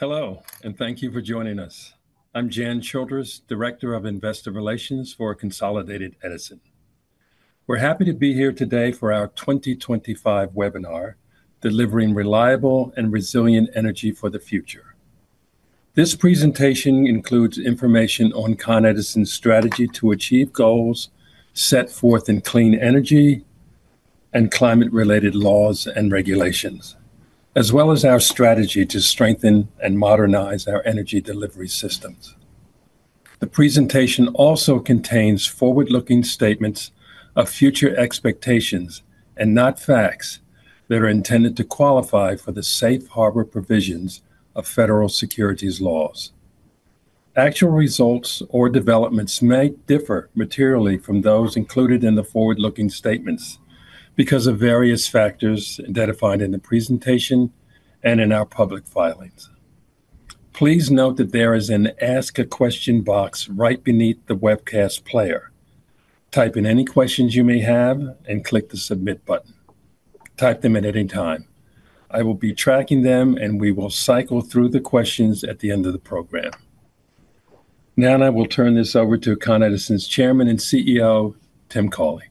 Hello and thank you for joining us. I'm Jan Childress, Director of Investor Relations for Consolidated Edison. We're happy to be here today for our 2025 webinar, Delivering Reliable and Resilient Energy for the Future. This presentation includes information on Con Edison's strategy to achieve goals set forth in clean energy and climate-related laws and regulations, as well as our strategy to strengthen and modernize our energy delivery systems. The presentation also contains forward-looking statements of future expectations and not facts that are intended to qualify for the safe harbor provisions of federal securities laws. Actual results or developments may differ materially from those included in the forward-looking statements because of various factors identified in the presentation and in our public filings. Please note that there is an Ask a Question box right beneath the webcast player. Type in any questions you may have and click the Submit button. Type them at any time. I will be tracking them and we will cycle through the questions at the end of the program. Now I will turn this over to Con Edison's Chairman and CEO, Tim Cawley.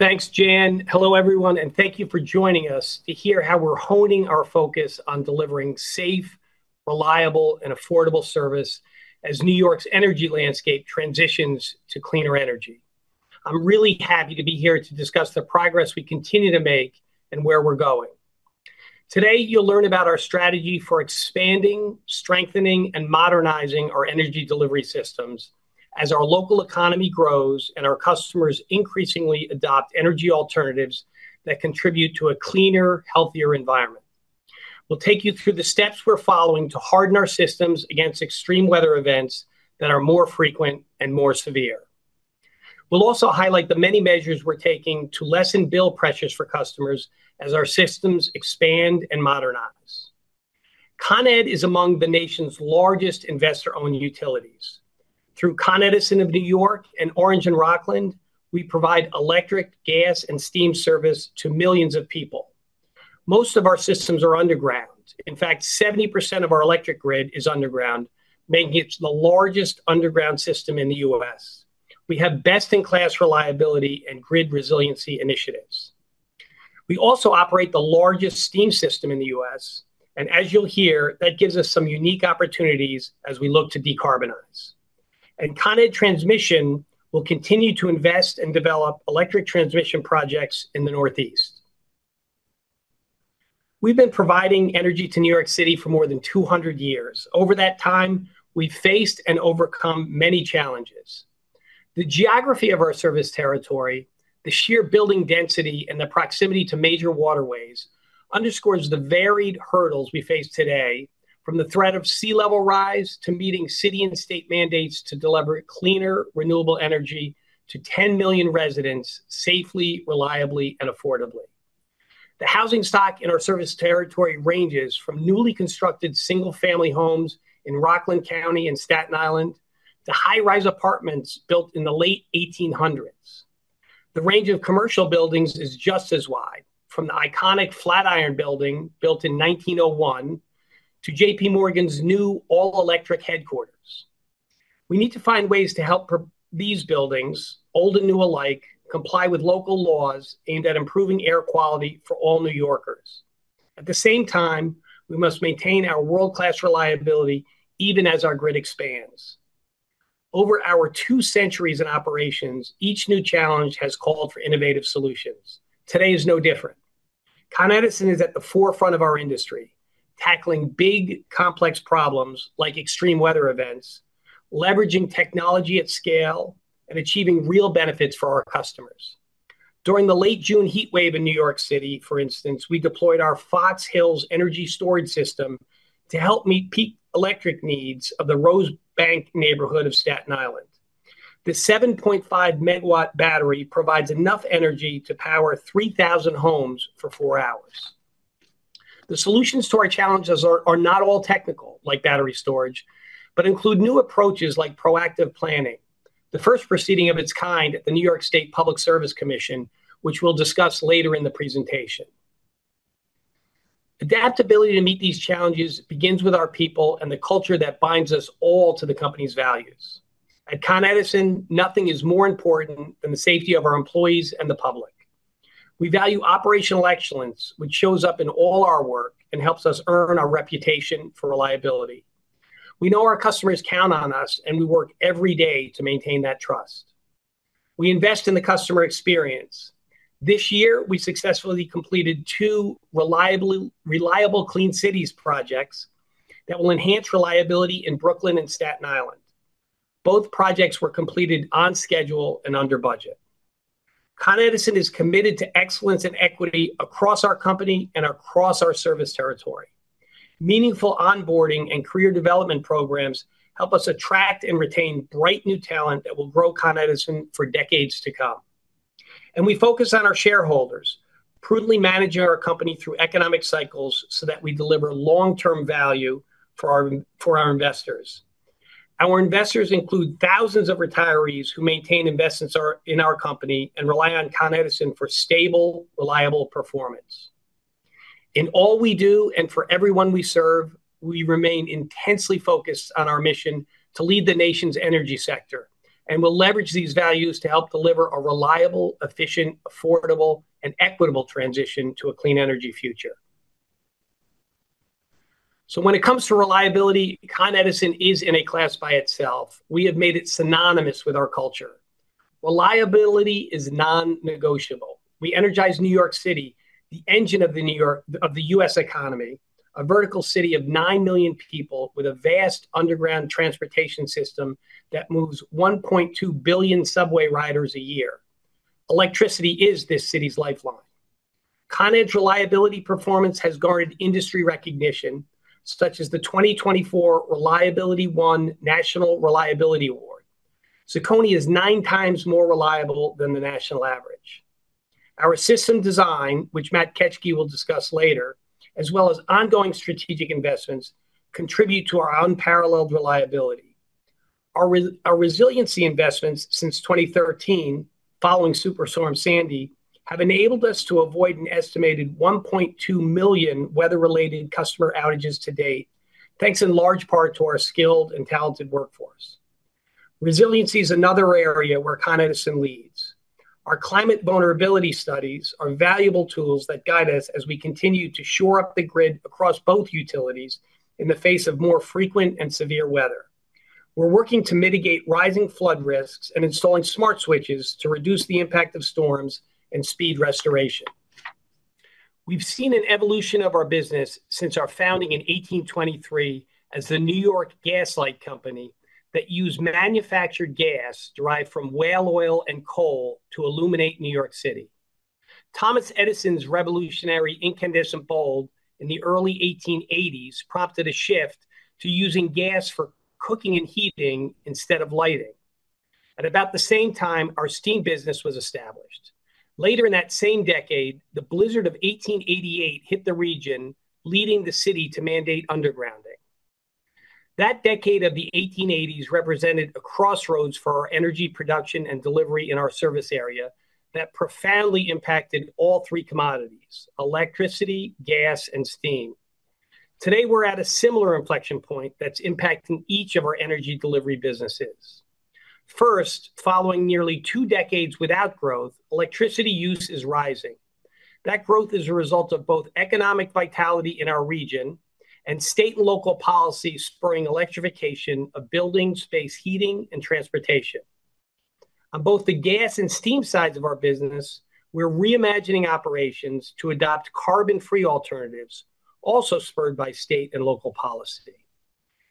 Thanks, Jan. Hello everyone, and thank you for joining us to hear how we're honing our focus on delivering safe, reliable, and affordable service as New York's energy landscape transitions to cleaner energy. I'm really happy to be here to discuss the progress we continue to make and where we're going. Today, you'll learn about our strategy for expanding, strengthening, and modernizing our energy delivery systems as our local economy grows and our customers increasingly adopt energy alternatives that contribute to a cleaner, healthier environment. We'll take you through the steps we're following to harden our systems against extreme weather events that are more frequent and more severe. We'll also highlight the many measures we're taking to lessen bill pressures for customers as our systems expand and modernize. ConEd is among the nation's largest investor-owned utilities. Through Con Edison of New York and Orange and Rockland, we provide electric, gas, and steam service to millions of people. Most of our systems are underground. In fact, 70% of our electric grid is underground, making it the largest underground system in the U.S. We have best-in-class reliability and grid resiliency initiatives. We also operate the largest steam system in the U.S., and as you'll hear, that gives us some unique opportunities as we look to decarbonize. ConEd Transmission will continue to invest and develop electric transmission projects in the Northeast. We've been providing energy to New York City for more than 200 years. Over that time, we've faced and overcome many challenges. The geography of our service territory, the sheer building density, and the proximity to major waterways underscore the varied hurdles we face today, from the threat of sea level rise to meeting city and state mandates to deliver cleaner, renewable energy to 10 million residents safely, reliably, and affordably. The housing stock in our service territory ranges from newly constructed single-family homes in Rockland County and Staten Island to high-rise apartments built in the late 1800s. The range of commercial buildings is just as wide, from the iconic Flatiron Building built in 1901 to JPMorgan's new all-electric headquarters. We need to find ways to help these buildings, old and new alike, comply with local laws aimed at improving air quality for all New Yorkers. At the same time, we must maintain our world-class reliability even as our grid expands. Over our two centuries in operations, each new challenge has called for innovative solutions. Today is no different. Con Edison is at the forefront of our industry, tackling big complex problems like extreme weather events, leveraging technology at scale, and achieving real benefits for our customers. During the late June heat wave in New York City, for instance, we deployed our Fox Hills energy storage system to help meet peak electric needs of the Rosebank neighborhood of Staten Island. The 7.5 MW battery provides enough energy to power 3,000 homes for four hours. The solutions to our challenges are not all technical, like battery storage, but include new approaches like proactive planning, the first proceeding of its kind at the New York State Public Service Commission, which we'll discuss later in the presentation. Adaptability to meet these challenges begins with our people and the culture that binds us all to the company's values. At Con Edison, nothing is more important than the safety of our employees and the public. We value operational excellence, which shows up in all our work and helps us earn our reputation for reliability. We know our customers count on us, and we work every day to maintain that trust. We invest in the customer experience. This year, we successfully completed two Reliable Clean Cities projects that will enhance reliability in Brooklyn and Staten Island. Both projects were completed on schedule and under budget. Con Edison is committed to excellence and equity across our company and across our service territory. Meaningful onboarding and career development programs help us attract and retain bright new talent that will grow Con Edison for decades to come. We focus on our shareholders, prudently managing our company through economic cycles so that we deliver long-term value for our investors. Our investors include thousands of retirees who maintain investments in our company and rely on Con Edison for stable, reliable performance. In all we do and for everyone we serve, we remain intensely focused on our mission to lead the nation's energy sector and will leverage these values to help deliver a reliable, efficient, affordable, and equitable transition to a clean energy future. When it comes to reliability, Con Edison is in a class by itself. We have made it synonymous with our culture. Reliability is non-negotiable. We energize New York City, the engine of the New York of the U.S. Economy, a vertical city of 9 million people with a vast underground transportation system that moves 1.2 billion subway riders a year. Electricity is this city's lifeline. Con Edison's reliability performance has garnered industry recognition, such as the 2024 ReliabilityOne National Reliability Award. CECONY is nine times more reliable than the national average. Our system design, which Matt Ketschke will discuss later, as well as ongoing strategic investments, contribute to our unparalleled reliability. Our resiliency investments since 2013, following Superstorm Sandy, have enabled us to avoid an estimated 1.2 million weather-related customer outages to date, thanks in large part to our skilled and talented workforce. Resiliency is another area where Con Edison leads. Our climate vulnerability studies are valuable tools that guide us as we continue to shore up the grid across both utilities in the face of more frequent and severe weather. We're working to mitigate rising flood risks and installing smart switches to reduce the impact of storms and speed restoration. We've seen an evolution of our business since our founding in 1823 as the New York Gas Light Company that used manufactured gas derived from whale oil and coal to illuminate New York City. Thomas Edison's revolutionary incandescent bulb in the early 1880s prompted a shift to using gas for cooking and heating instead of lighting. At about the same time, our steam business was established. Later in that same decade, the blizzard of 1888 hit the region, leading the city to mandate undergrounding. That decade of the 1880s represented a crossroads for our energy production and delivery in our service area that profoundly impacted all three commodities: electricity, gas, and steam. Today, we're at a similar inflection point that's impacting each of our energy delivery businesses. First, following nearly two decades without growth, electricity use is rising. That growth is a result of both economic vitality in our region and state and local policies spurring electrification of buildings, space, heating, and transportation. On both the gas and steam sides of our business, we're reimagining operations to adopt carbon-free alternatives, also spurred by state and local policy.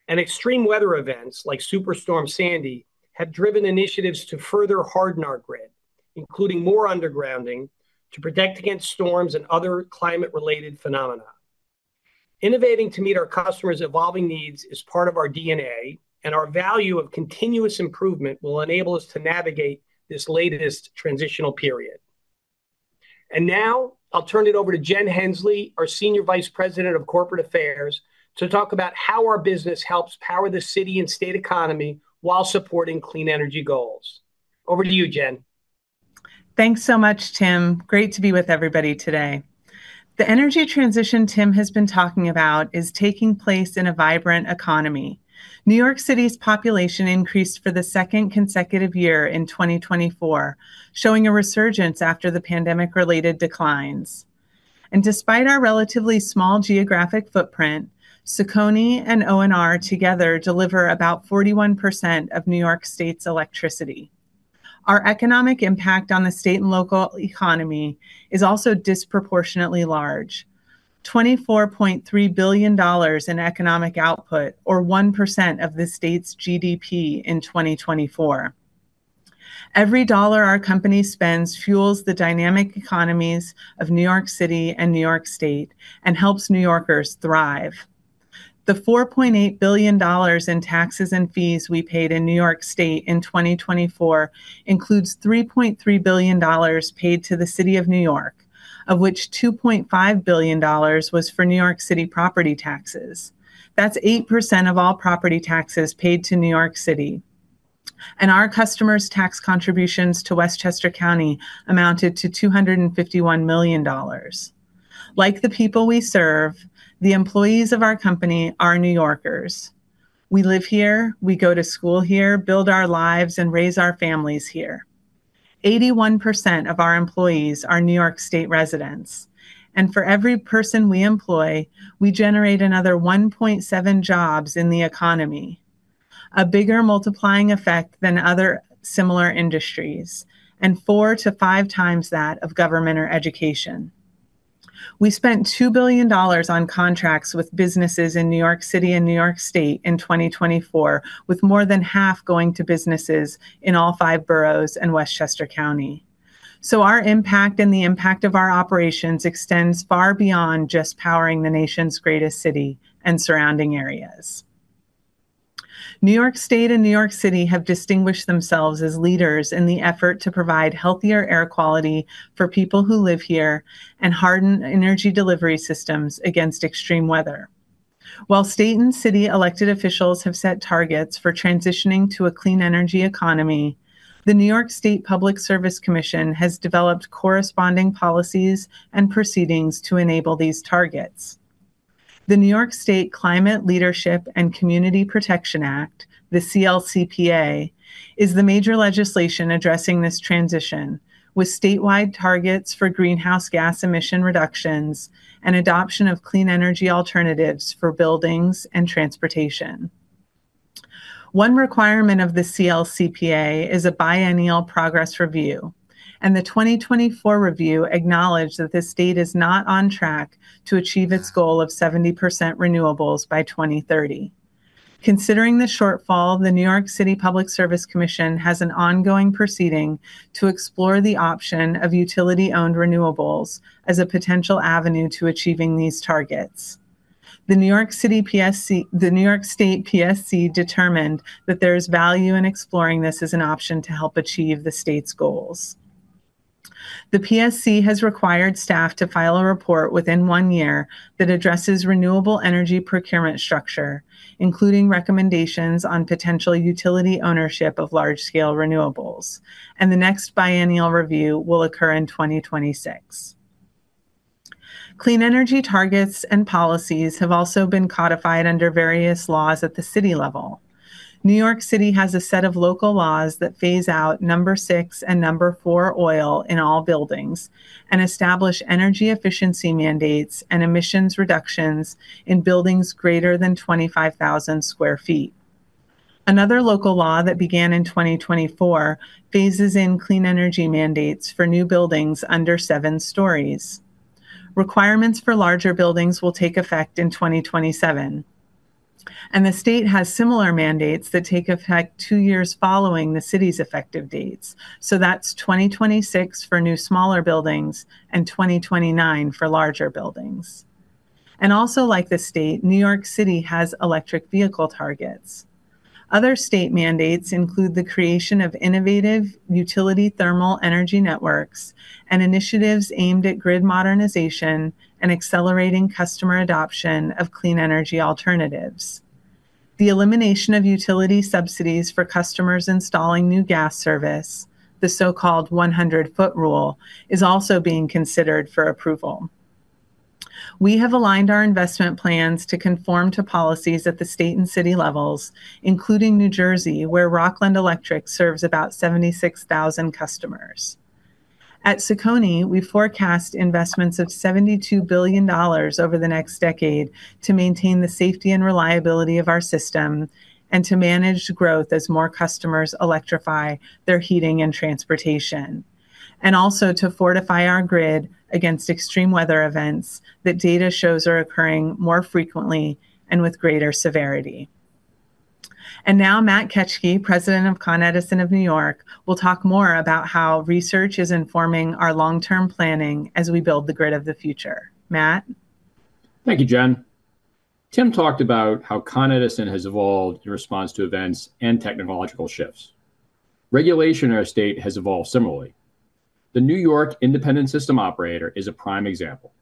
Extreme weather events like Superstorm Sandy have driven initiatives to further harden our grid, including more undergrounding to protect against storms and other climate-related phenomena. Innovating to meet our customers' evolving needs is part of our DNA, and our value of continuous improvement will enable us to navigate this latest transitional period. I will turn it over to Jen Hensley, our Senior Vice President of Corporate Affairs, to talk about how our business helps power the city and state economy while supporting clean energy goals. Over to you, Jen. Thanks so much, Tim. Great to be with everybody today. The energy transition Tim has been talking about is taking place in a vibrant economy. New York City's population increased for the second consecutive year in 2024, showing a resurgence after the pandemic-related declines. Despite our relatively small geographic footprint, CECONY and O&R together deliver about 41% of New York State's electricity. Our economic impact on the state and local economy is also disproportionately large: $24.3 billion in economic output, or 1% of the state's GDP in 2024. Every dollar our company spends fuels the dynamic economies of New York City and New York State and helps New Yorkers thrive. The $4.8 billion in taxes and fees we paid in New York State in 2024 includes $3.3 billion paid to the City of New York, of which $2.5 billion was for New York City property taxes. That's 8% of all property taxes paid to New York City. Our customers' tax contributions to Westchester County amounted to $251 million. Like the people we serve, the employees of our company are New Yorkers. We live here, we go to school here, build our lives, and raise our families here. 81% of our employees are New York State residents. For every person we employ, we generate another 1.7 jobs in the economy, a bigger multiplying effect than other similar industries, and four to five times that of government or education. We spent $2 billion on contracts with businesses in New York City and New York State in 2024, with more than half going to businesses in all five boroughs in Westchester County. Our impact and the impact of our operations extends far beyond just powering the nation's greatest city and surrounding areas. New York State and New York City have distinguished themselves as leaders in the effort to provide healthier air quality for people who live here and harden energy delivery systems against extreme weather. While state and city elected officials have set targets for transitioning to a clean energy economy, the New York State Public Service Commission has developed corresponding policies and proceedings to enable these targets. The New York State Climate Leadership and Community Protection Act, the CLCPA, is the major legislation addressing this transition, with statewide targets for greenhouse gas emission reductions and adoption of clean energy alternatives for buildings and transportation. One requirement of the CLCPA is a biennial progress review, and the 2024 review acknowledged that the state is not on track to achieve its goal of 70% renewables by 2030. Considering the shortfall, the New York State Public Service Commission has an ongoing proceeding to explore the option of utility-owned renewables as a potential avenue to achieving these targets. The New York State PSC determined that there is value in exploring this as an option to help achieve the state's goals. The PSC has required staff to file a report within one year that addresses renewable energy procurement structure, including recommendations on potential utility ownership of large-scale renewables, and the next biennial review will occur in 2026. Clean energy targets and policies have also been codified under various laws at the city level. New York City has a set of local laws that phase out number six and number four oil in all buildings and establish energy efficiency mandates and emissions reductions in buildings greater than 25,000 square feet. Another local law that began in 2024 phases in clean energy mandates for new buildings under seven stories. Requirements for larger buildings will take effect in 2027. The state has similar mandates that take effect two years following the city's effective dates. That is 2026 for new smaller buildings and 2029 for larger buildings. Like the state, New York City has electric vehicle targets. Other state mandates include the creation of innovative utility thermal energy networks and initiatives aimed at grid modernization and accelerating customer adoption of clean energy alternatives. The elimination of utility subsidies for customers installing new gas service, the so-called 100-foot rule, is also being considered for approval. We have aligned our investment plans to conform to policies at the state and city levels, including New Jersey, where Rockland Electric serves about 76,000 customers. At [Con-E], we forecast investments of $72 billion over the next decade to maintain the safety and reliability of our system and to manage growth as more customers electrify their heating and transportation, and also to fortify our grid against extreme weather events that data shows are occurring more frequently and with greater severity. Now Matt Ketschke, President of Con Edison of New York, will talk more about how research is informing our long-term planning as we build the grid of the future. Matt? Thank you, Jen. Tim talked about how Con Edison has evolved in response to events and technological shifts. Regulation in our state has evolved similarly. The New York Independent System Operator is a prime example.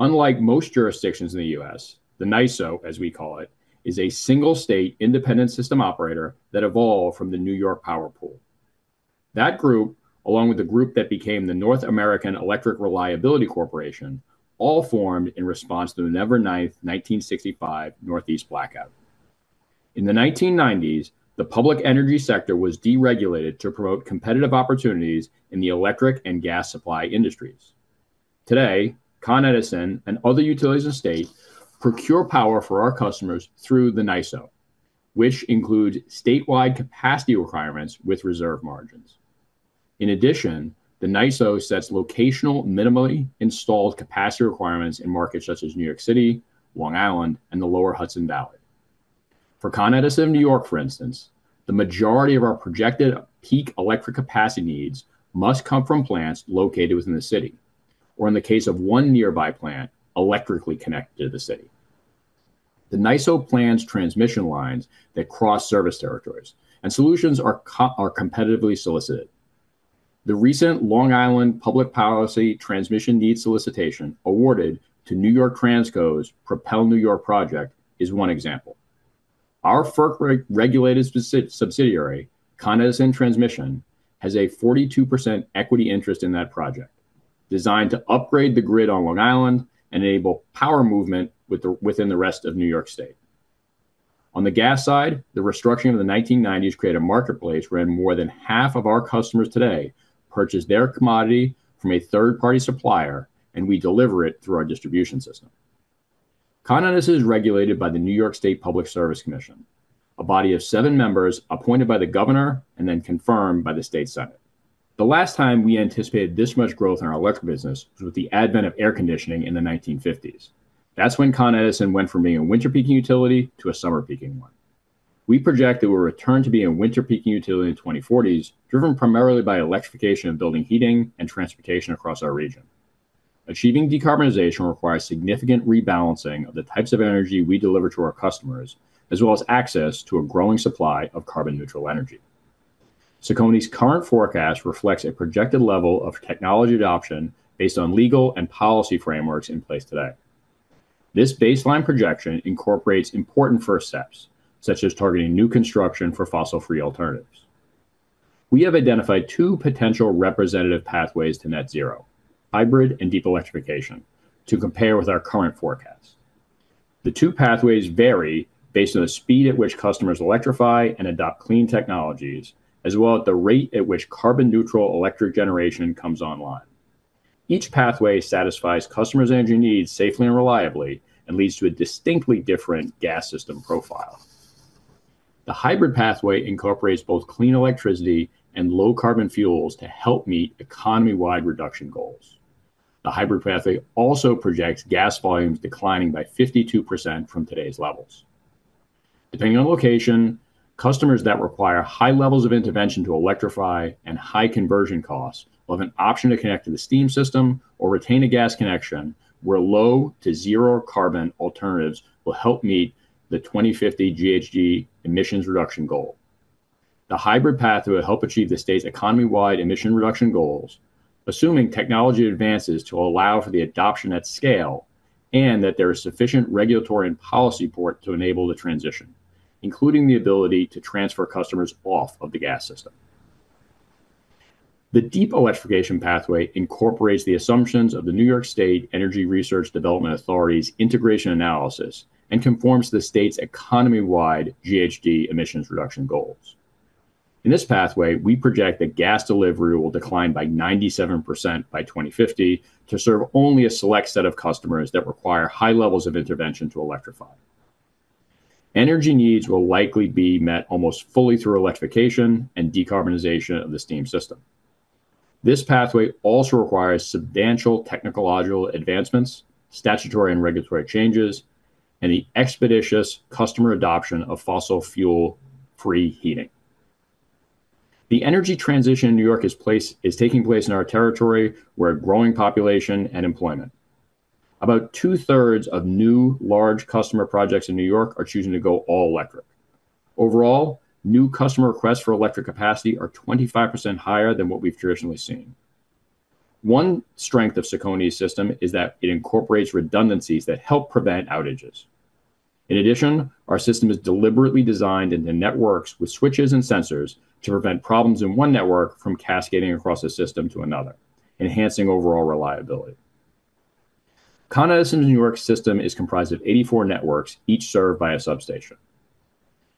Unlike most jurisdictions in the U.S., the NYISO, as we call it, is a single state independent system operator that evolved from the New York power pool. That group, along with the group that became the North American Electric Reliability Corporation, all formed in response to the November 9th, 1965, Northeast blackout. In the 1990s, the public energy sector was deregulated to promote competitive opportunities in the electric and gas supply industries. Today, Con Edison and other utilities in the state procure power for our customers through the NYISO, which includes statewide capacity requirements with reserve margins. In addition, the NYISO sets locational minimum installed capacity requirements in markets such as New York City, Long Island, and the lower Hudson Valley. For Con Edison New York, for instance, the majority of our projected peak electric capacity needs must come from plants located within the city, or in the case of one nearby plant, electrically connected to the city. The NYISO plans transmission lines that cross service territories, and solutions are competitively solicited. The recent Long Island Public Policy Transmission Needs Solicitation awarded to New York Transco's Propel New York project is one example. Our FERC-regulated subsidiary, Con Edison Transmission, has a 42% equity interest in that project, designed to upgrade the grid on Long Island and enable power movement within the rest of New York State. On the gas side, the restructuring of the 1990s created a marketplace where more than half of our customers today purchase their commodity from a third-party supplier, and we deliver it through our distribution system. Con Edison is regulated by the New York State Public Service Commission, a body of seven members appointed by the governor and then confirmed by the state Senate. The last time we anticipated this much growth in our electric business was with the advent of air conditioning in the 1950s. That's when Con Edison went from being a winter peaking utility to a summer peaking one. We project that we'll return to being a winter peaking utility in the 2040s, driven primarily by electrification of building heating and transportation across our region. Achieving decarbonization requires significant rebalancing of the types of energy we deliver to our customers, as well as access to a growing supply of carbon-neutral energy. CECONY's current forecast reflects a projected level of technology adoption based on legal and policy frameworks in place today. This baseline projection incorporates important first steps, such as targeting new construction for fossil-free alternatives. We have identified two potential representative pathways to net zero, hybrid and deep electrification, to compare with our current forecasts. The two pathways vary based on the speed at which customers electrify and adopt clean technologies, as well as the rate at which carbon-neutral electric generation comes online. Each pathway satisfies customers' energy needs safely and reliably and leads to a distinctly different gas system profile. The hybrid pathway incorporates both clean electricity and low carbon fuels to help meet economy-wide reduction goals. The hybrid pathway also projects gas volumes declining by 52% from today's levels. Depending on location, customers that require high levels of intervention to electrify and high conversion costs will have an option to connect to the steam system or retain a gas connection, where low to zero carbon alternatives will help meet the 2050 GHG emissions reduction goal. The hybrid pathway will help achieve the state's economy-wide emission reduction goals, assuming technology advances to allow for the adoption at scale and that there is sufficient regulatory and policy support to enable the transition, including the ability to transfer customers off of the gas system. The deep electrification pathway incorporates the assumptions of the New York State Energy Research Development Authority's integration analysis and conforms to the state's economy-wide GHG emissions reduction goals. In this pathway, we project that gas delivery will decline by 97% by 2050 to serve only a select set of customers that require high levels of intervention to electrify. Energy needs will likely be met almost fully through electrification and decarbonization of the steam system. This pathway also requires substantial technological advancements, statutory and regulatory changes, and the expeditious customer adoption of fossil-fuel-free heating. The energy transition in New York is taking place in our territory with a growing population and employment. About two-thirds of new large customer projects in New York are choosing to go all electric. Overall, new customer requests for electric capacity are 25% higher than what we've traditionally seen. One strength of CECONY system is that it incorporates redundancies that help prevent outages. In addition, our system is deliberately designed into networks with switches and sensors to prevent problems in one network from cascading across the system to another, enhancing overall reliability. Con Edison's New York system is comprised of 84 networks, each served by a substation.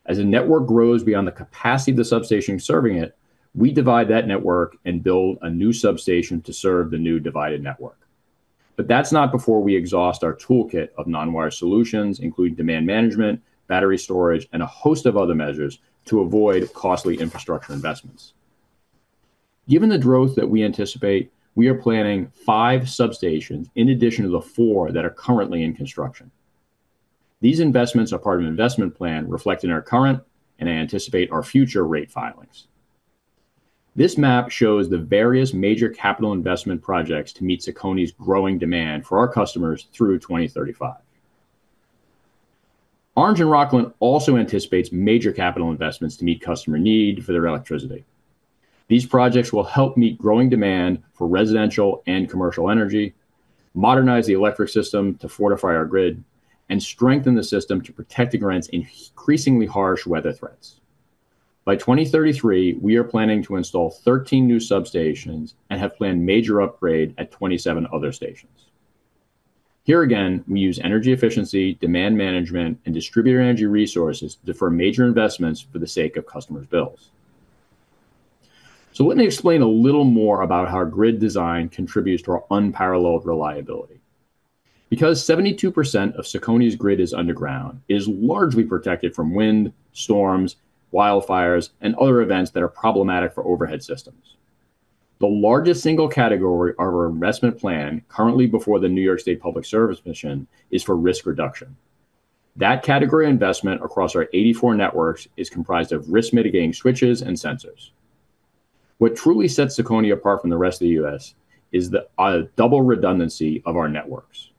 As a network grows beyond the capacity of the substation serving it, we divide that network and build a new substation to serve the new divided network. That's not before we exhaust our toolkit of non-wire solutions, including demand management, battery storage, and a host of other measures to avoid costly infrastructure investments. Given the growth that we anticipate, we are planning five substations in addition to the four that are currently in construction. These investments are part of an investment plan reflected in our current and I anticipate our future rate filings. This map shows the various major capital investment projects to meet CECONY's growing demand for our customers through 2035. Orange and Rockland also anticipate major capital investments to meet customer needs for their electricity. These projects will help meet growing demand for residential and commercial energy, modernize the electric system to fortify our grid, and strengthen the system to protect against increasingly harsh weather threats. By 2033, we are planning to install 13 new substations and have planned a major upgrade at 27 other stations. Here again, we use energy efficiency, demand management, and distributed energy resources to defer major investments for the sake of customers' bills. Let me explain a little more about how our grid design contributes to our unparalleled reliability. Because 72% of CECONY's grid is underground, it is largely protected from wind, storms, wildfires, and other events that are problematic for overhead systems. The largest single category of our investment plan currently before the New York State Public Service Commission is for risk reduction. That category of investment across our 84 networks is comprised of risk-mitigating switches and sensors. What truly sets CECONY apart from the rest of the U.S. is the double redundancy of our networks.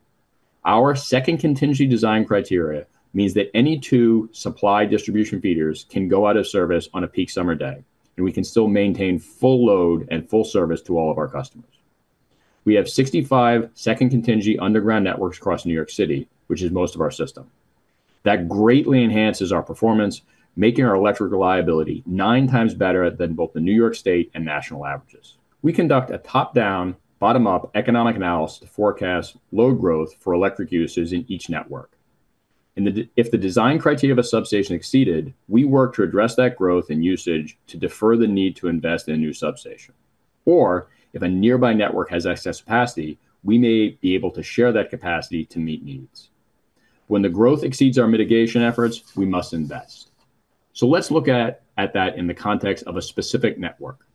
Our second contingency design criteria means that any two supply distribution feeders can go out of service on a peak summer day, and we can still maintain full load and full service to all of our customers. We have 65 second contingency underground networks across New York City, which is most of our system. That greatly enhances our performance, making our electric reliability nine times better than both the New York State and national averages. We conduct a top-down, bottom-up economic analysis to forecast load growth for electric usage in each network. If the design criteria of a substation is exceeded, we work to address that growth in usage to defer the need to invest in a new substation. If a nearby network has excess capacity, we may be able to share that capacity to meet needs. When the growth exceeds our mitigation efforts, we must invest. Let's look at that in the context of a specific network.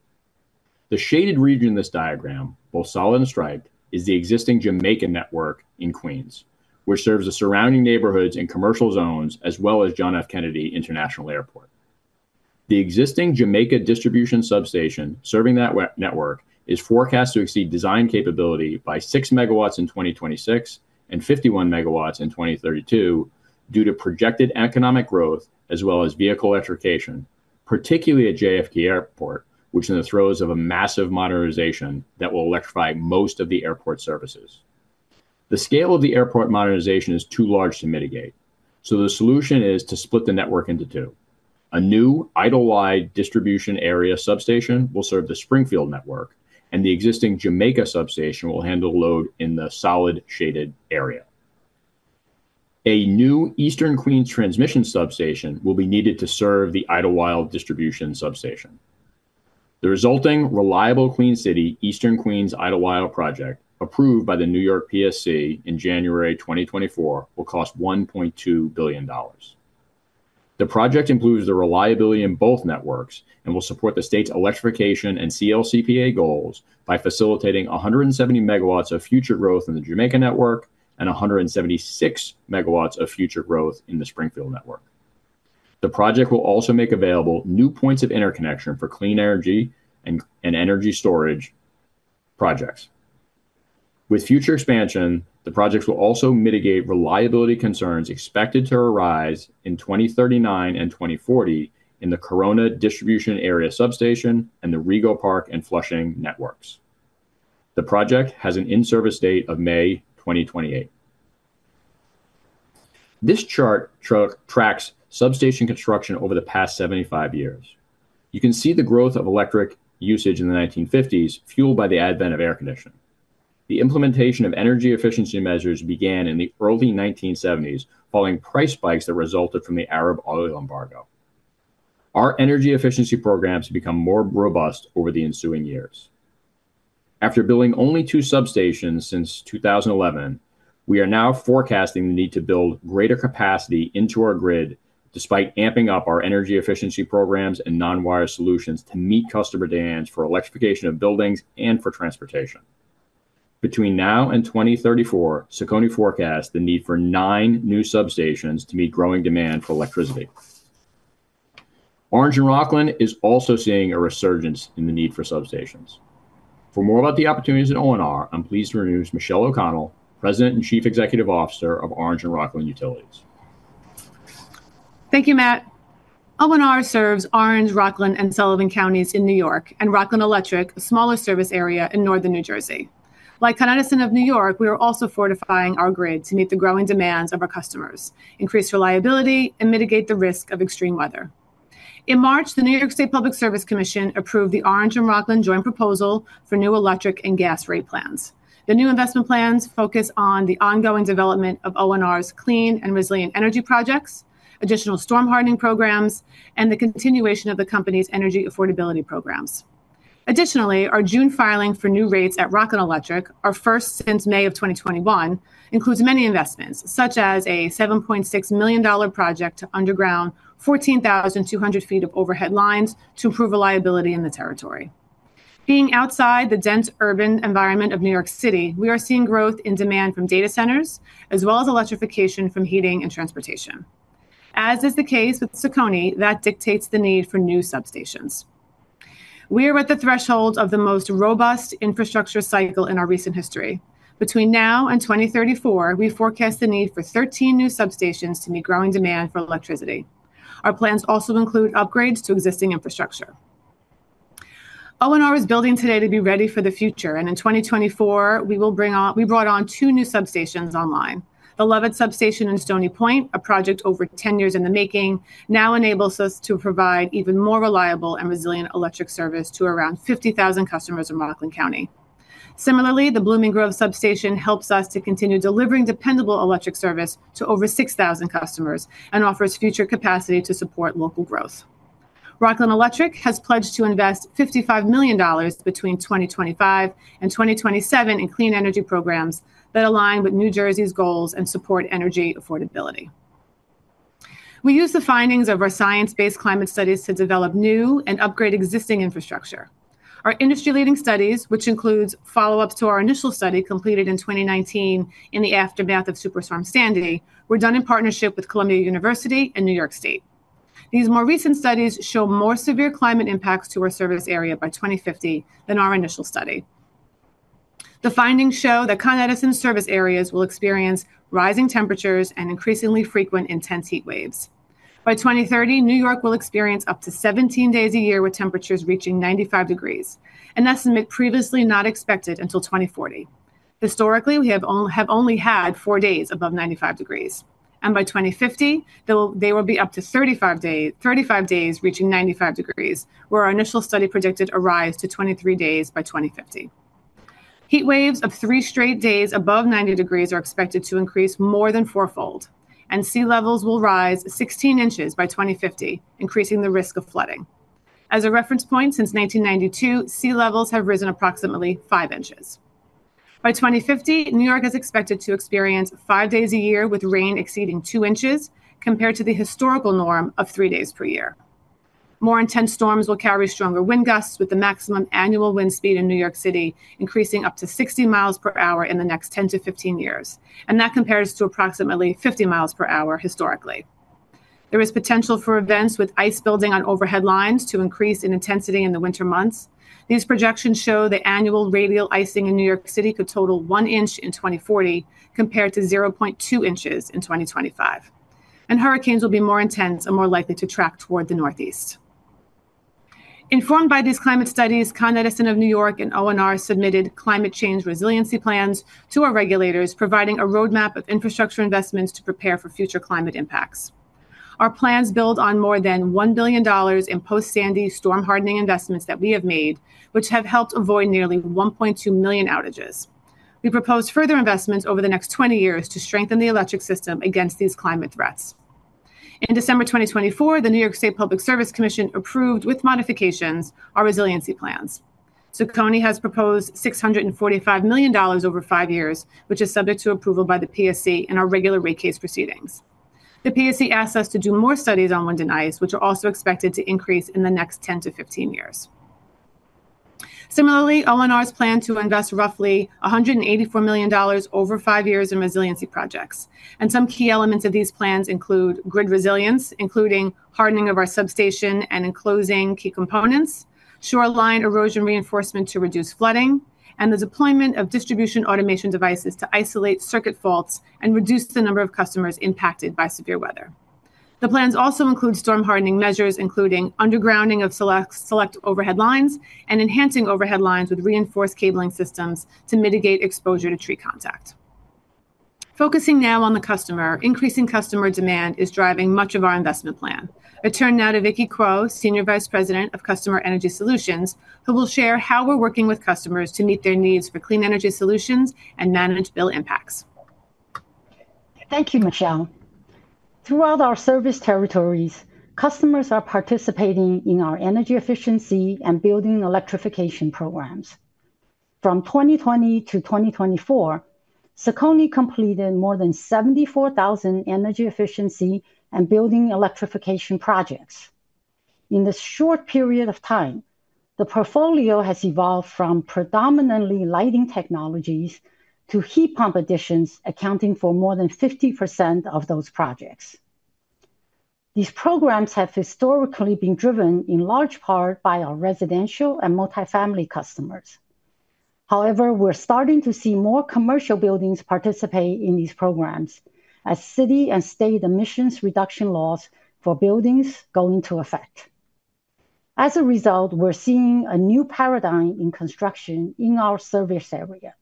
The shaded region in this diagram, both solid and striped, is the existing Jamaica network in Queens, which serves the surrounding neighborhoods and commercial zones, as well as John F. Kennedy International Airport. The existing Jamaica distribution substation serving that network is forecast to exceed design capability by 6 MW in 2026 and 51 MW in 2032 due to projected economic growth, as well as vehicle electrification, particularly at JFK Airport, which is in the throes of a massive modernization that will electrify most of the airport services. The scale of the airport modernization is too large to mitigate. The solution is to split the network into two. A new Idlewild distribution area substation will serve the Springfield network, and the existing Jamaica substation will handle load in the solid shaded area. A new Eastern Queens transmission substation will be needed to serve the Idlewild distribution substation. The resulting Reliable Clean City Eastern Queens Idlewild project, approved by the New York PSC in January 2024, will cost $1.2 billion. The project improves the reliability in both networks and will support the state's electrification and CLCPA goals by facilitating 170 MW of future growth in the Jamaica network and 176 MW of future growth in the Springfield network. The project will also make available new points of interconnection for clean energy and energy storage projects. With future expansion, the projects will also mitigate reliability concerns expected to arise in 2039 and 2040 in the Corona distribution area substation and the Regal Park and Flushing networks. The project has an in-service date of May 2028. This chart tracks substation construction over the past 75 years. You can see the growth of electric usage in the 1950s, fueled by the advent of air conditioning. The implementation of energy efficiency measures began in the early 1970s, following price spikes that resulted from the Arab oil embargo. Our energy efficiency programs have become more robust over the ensuing years. After building only two substations since 2011, we are now forecasting the need to build greater capacity into our grid, despite amping up our energy efficiency programs and non-wire solutions to meet customer demands for electrification of buildings and for transportation. Between now and 2034, CECONY forecasts the need for nine new substations to meet growing demand for electricity. Orange and Rockland is also seeing a resurgence in the need for substations. For more about the opportunities at O&R, I'm pleased to introduce Michele O’Connell, President and Chief Executive Officer of Orange and Rockland Utilities. Thank you, Matt. O&R serves Orange, Rockland, and Sullivan counties in New York, and Rockland Electric, the smallest service area in northern New Jersey. Like Con Edison Company of New York, we are also fortifying our grid to meet the growing demands of our customers, increase reliability, and mitigate the risk of extreme weather. In March, the New York State Public Service Commission approved the Orange and Rockland joint proposal for new electric and gas rate plans. The new investment plans focus on the ongoing development of O&R'S clean and resilient energy projects, additional storm hardening programs, and the continuation of the company's energy affordability programs. Additionally, our June filing for new rates at Rockland Electric, our first since May of 2021, includes many investments, such as a $7.6 million project to underground 14,200 ft of overhead lines to improve reliability in the territory. Being outside the dense urban environment of New York City, we are seeing growth in demand from data centers, as well as electrification from heating and transportation. As is the case with CECONY, that dictates the need for new substations. We are at the threshold of the most robust infrastructure cycle in our recent history. Between now and 2034, we forecast the need for 13 new substations to meet growing demand for electricity. Our plans also include upgrades to existing infrastructure. O&R is building today to be ready for the future, and in 2024, we brought two new substations online. The Levitt Substation in Stony Point, a project over 10 years in the making, now enables us to provide even more reliable and resilient electric service to around 50,000 customers in Rockland County. Similarly, the Blooming Grove Substation helps us to continue delivering dependable electric service to over 6,000 customers and offers future capacity to support local growth. Rockland Electric has pledged to invest $55 million between 2025 and 2027 in clean energy programs that align with New Jersey's goals and support energy affordability. We use the findings of our science-based climate studies to develop new and upgrade existing infrastructure. Our industry-leading studies, which include follow-ups to our initial study completed in 2019 in the aftermath of Superstorm Sandy, were done in partnership with Columbia University and New York State. These more recent studies show more severe climate impacts to our service area by 2050 than our initial study. The findings show that Con Edison service areas will experience rising temperatures and increasingly frequent intense heat waves. By 2030, New York will experience up to 17 days a year with temperatures reaching 95 degrees, an estimate previously not expected until 2040. Historically, we have only had four days above 95 degrees. By 2050, there will be up to 35 days reaching 95 degrees, where our initial study predicted a rise to 23 days by 2050. Heat waves of three straight days above 90 degrees are expected to increase more than fourfold, and sea levels will rise 16 in by 2050, increasing the risk of flooding. As a reference point, since 1992, sea levels have risen approximately five inches. By 2050, New York is expected to experience five days a year with rain exceeding two inches, compared to the historical norm of three days per year. More intense storms will carry stronger wind gusts, with the maximum annual wind speed in New York City increasing up to 60 mph in the next 10-15 years. That compares to approximately 50 mph historically. There is potential for events with ice building on overhead lines to increase in intensity in the winter months. These projections show the annual radial icing in New York City could total one inch in 2040 compared to 0.2 in in 2025. Hurricanes will be more intense and more likely to track toward the northeast. Informed by these climate studies, Con Edison of New York and O&R submitted climate change resiliency plans to our regulators, providing a roadmap of infrastructure investments to prepare for future climate impacts. Our plans build on more than $1 billion in post-Sandy storm hardening investments that we have made, which have helped avoid nearly 1.2 million outages. We propose further investments over the next 20 years to strengthen the electric system against these climate threats. In December 2024, the New York State Public Service Commission approved with modifications our resiliency plans. CECONY has proposed $645 million over five years, which is subject to approval by the PSC in our regular rate case proceedings. The PSC asks us to do more studies on wind and ice, which are also expected to increase in the next 10-15 years. Similarly, O&R'S plan to invest roughly $184 million over five years in resiliency projects. Some key elements of these plans include grid resilience, including hardening of our substation and enclosing key components, shoreline erosion reinforcement to reduce flooding, and the deployment of distribution automation devices to isolate circuit faults and reduce the number of customers impacted by severe weather. The plans also include storm hardening measures, including undergrounding of select overhead lines and enhancing overhead lines with reinforced cabling systems to mitigate exposure to tree contact. Focusing now on the customer, increasing customer demand is driving much of our investment plan. I turn now to Vicki Kuo, Senior Vice President of Customer Energy Solutions, who will share how we're working with customers to meet their needs for clean energy solutions and manage bill impacts. Thank you, Michele. Throughout our service territories, customers are participating in our energy efficiency and building electrification programs. From 2020 to 2024, CECONY completed more than 74,000 energy efficiency and building electrification projects. In this short period of time, the portfolio has evolved from predominantly lighting technologies to heat pump additions, accounting for more than 50% of those projects. These programs have historically been driven in large part by our residential and multifamily customers. However, we're starting to see more commercial buildings participate in these programs as city and state emissions reduction laws for buildings go into effect. As a result, we're seeing a new paradigm in construction in our service area.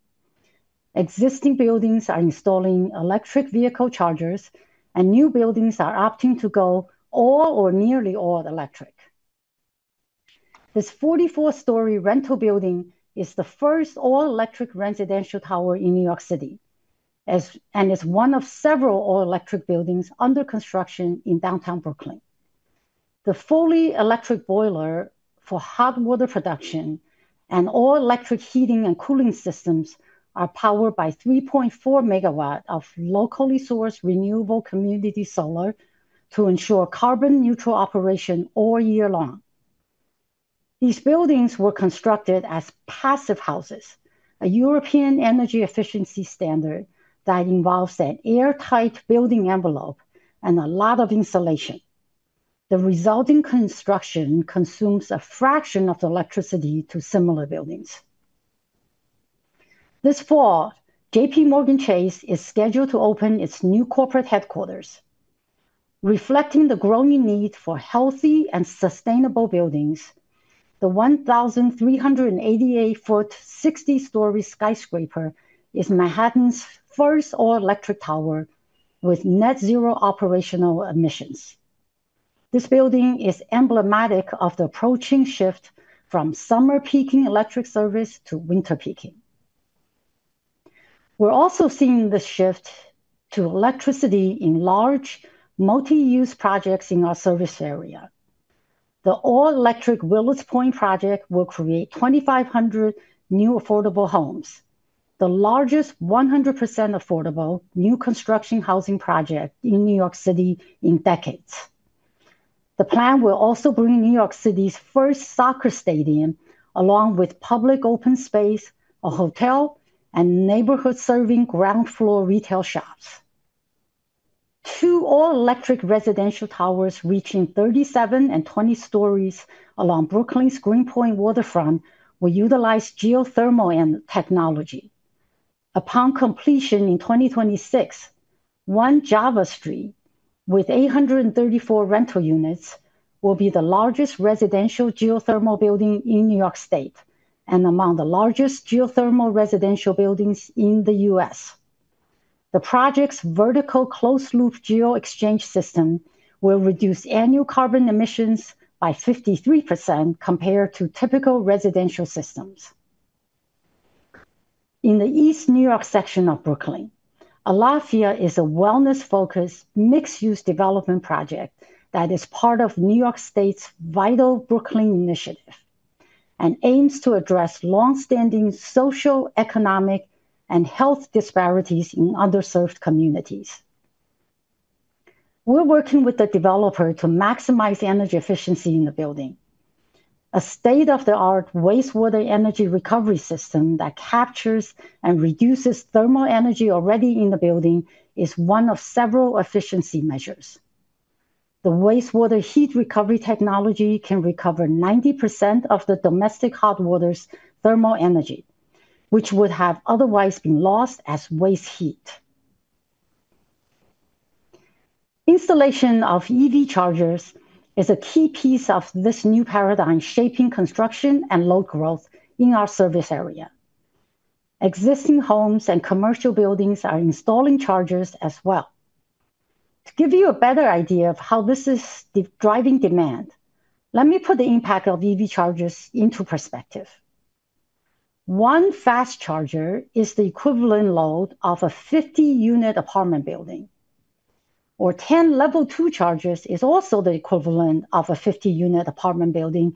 Existing buildings are installing electric vehicle chargers, and new buildings are opting to go all or nearly all electric. This 44-story rental building is the first all-electric residential tower in New York City and is one of several all-electric buildings under construction in downtown Brooklyn. The fully electric boiler for hot water production and all-electric heating and cooling systems are powered by 3.4 MW of locally sourced renewable community solar to ensure carbon-neutral operation all year long. These buildings were constructed as passive houses, a European energy efficiency standard that involves an airtight building envelope and a lot of insulation. The resulting construction consumes a fraction of the electricity of similar buildings. This fall, JPMorgan Chase is scheduled to open its new corporate headquarters. Reflecting the growing need for healthy and sustainable buildings, the 1,388-foot, 60-story skyscraper is Manhattan's first all-electric tower with net zero operational emissions. This building is emblematic of the approaching shift from summer peaking electric service to winter peaking. We're also seeing the shift to electricity in large multi-use projects in our service area. The all-electric Willets Point project will create 2,500 new affordable homes, the largest 100% affordable new construction housing project in New York City in decades. The plan will also bring New York City's first soccer stadium, along with public open space, a hotel, and neighborhood-serving ground-floor retail shops. Two all-electric residential towers reaching 37 and 20 stories along Brooklyn's Greenpoint waterfront will utilize geothermal technology. Upon completion in 2026, One Java Street, with 834 rental units, will be the largest residential geothermal building in New York State and among the largest geothermal residential buildings in the U.S. The project's vertical closed-loop geoexchange system will reduce annual carbon emissions by 53% compared to typical residential systems. In the East New York section of Brooklyn, Alafia is a wellness-focused mixed-use development project that is part of New York State's Vital Brooklyn Initiative and aims to address longstanding social, economic, and health disparities in underserved communities. We're working with the developer to maximize energy efficiency in the building. A state-of-the-art wastewater energy recovery system that captures and reduces thermal energy already in the building is one of several efficiency measures. The wastewater heat recovery technology can recover 90% of the domestic hot water's thermal energy, which would have otherwise been lost as waste heat. Installation of EV chargers is a key piece of this new paradigm shaping construction and load growth in our service area. Existing homes and commercial buildings are installing chargers as well. To give you a better idea of how this is driving demand, let me put the impact of EV chargers into perspective. One fast charger is the equivalent load of a 50-unit apartment building, or 10 level 2 chargers is also the equivalent of a 50-unit apartment building,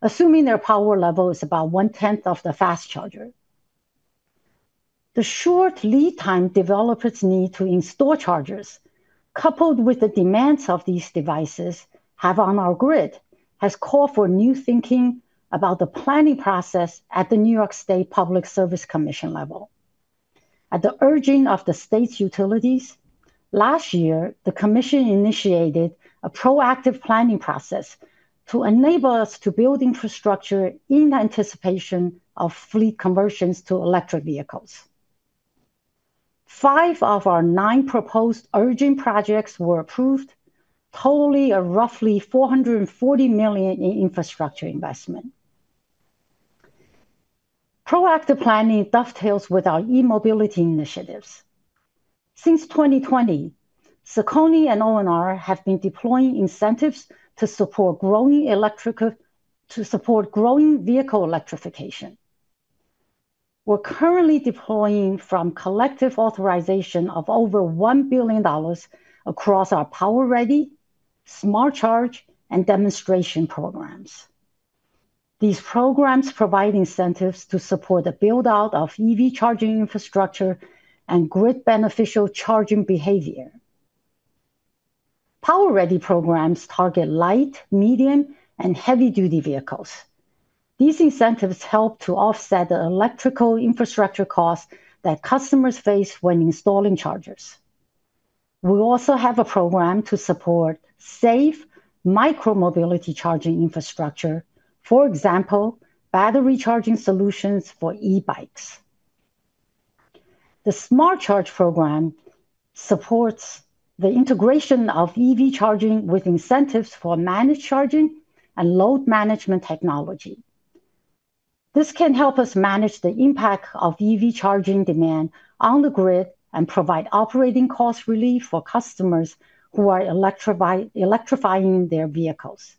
assuming their power level is about one-tenth of the fast charger. The short lead time developers need to install chargers, coupled with the demands these devices have on our grid, has called for new thinking about the planning process at the New York State Public Service Commission level. At the urging of the state's utilities, last year, the commission initiated a proactive planning process to enable us to build infrastructure in anticipation of fleet conversions to electric vehicles. Five of our nine proposed urging projects were approved, totaling roughly $440 million in infrastructure investment. Proactive planning dovetails with our e-mobility initiatives. Since 2020, CECONY and O&R have been deploying incentives to support growing vehicle electrification. We're currently deploying from collective authorization of over $1 billion across our Power Ready, Smart Charge, and Demonstration programs. These programs provide incentives to support the build-out of EV charging infrastructure and grid-beneficial charging behavior. Power Ready programs target light, medium, and heavy-duty vehicles. These incentives help to offset the electrical infrastructure costs that customers face when installing chargers. We also have a program to support safe micro-mobility charging infrastructure, for example, battery charging solutions for e-bikes. The Smart Charge program supports the integration of EV charging with incentives for managed charging and load management technology. This can help us manage the impact of EV charging demand on the grid and provide operating cost relief for customers who are electrifying their vehicles.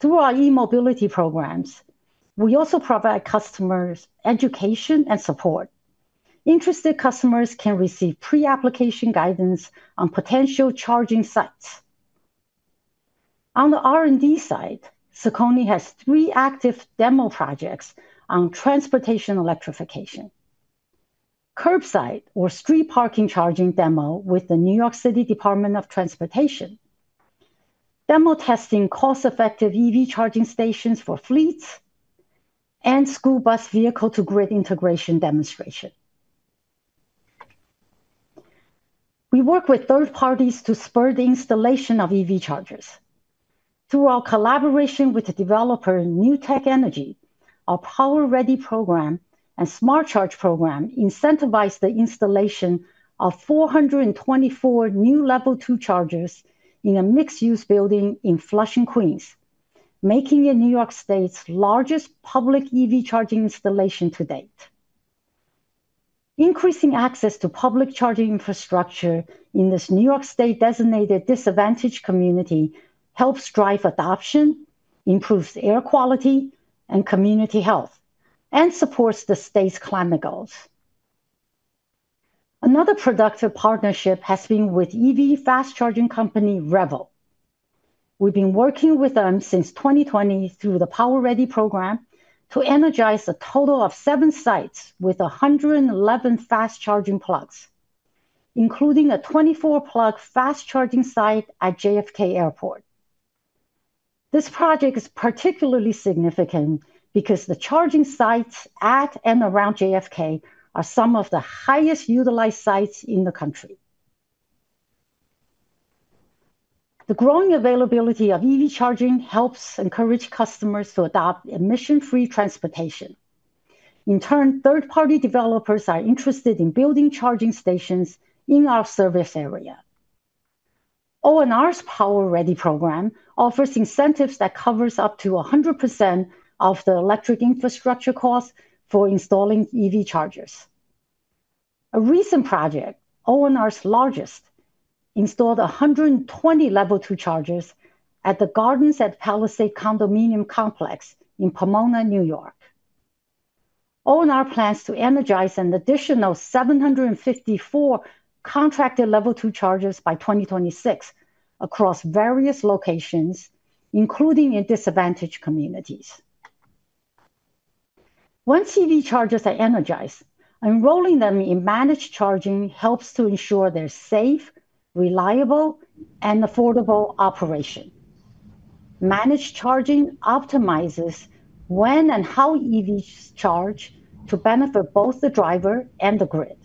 Through our e-mobility programs, we also provide customers education and support. Interested customers can receive pre-application guidance on potential charging sites. On the R&D side, CECONY has three active demo projects on transportation electrification. Curbside, or street parking charging demo, with the New York City Department of Transportation. Demo testing cost-effective EV charging stations for fleets and school bus vehicle-to-grid integration demonstration. We work with third parties to spur the installation of EV chargers. Through our collaboration with the developer New Tech Energy, our Power Ready program and Smart Charge program incentivize the installation of 424 new level 2 chargers in a mixed-use building in Flushing, Queens, making it New York State's largest public EV charging installation to date. Increasing access to public charging infrastructure in this New York State designated disadvantaged community helps drive adoption, improves air quality and community health, and supports the state's climate goals. Another productive partnership has been with EV fast charging company rEVo. We've been working with them since 2020 through the Power Ready program to energize a total of seven sites with 111 fast charging plugs, including a 24-plug fast charging site at JFK Airport. This project is particularly significant because the charging sites at and around JFK are some of the highest utilized sites in the country. The growing availability of EV charging helps encourage customers to adopt emission-free transportation. In turn, third-party developers are interested in building charging stations in our service area. O&R's Power Ready program offers incentives that cover up to 100% of the electric infrastructure cost for installing EV chargers. A recent project, O&R's largest, installed 120 level 2 chargers at the Gardens at Palisade Condominium Complex in Pomona, New York. O&R plans to energize an additional 754 contracted level 2 chargers by 2026 across various locations, including in disadvantaged communities. Once EV chargers are energized, enrolling them in managed charging helps to ensure their safe, reliable, and affordable operation. Managed charging optimizes when and how EVs charge to benefit both the driver and the grid.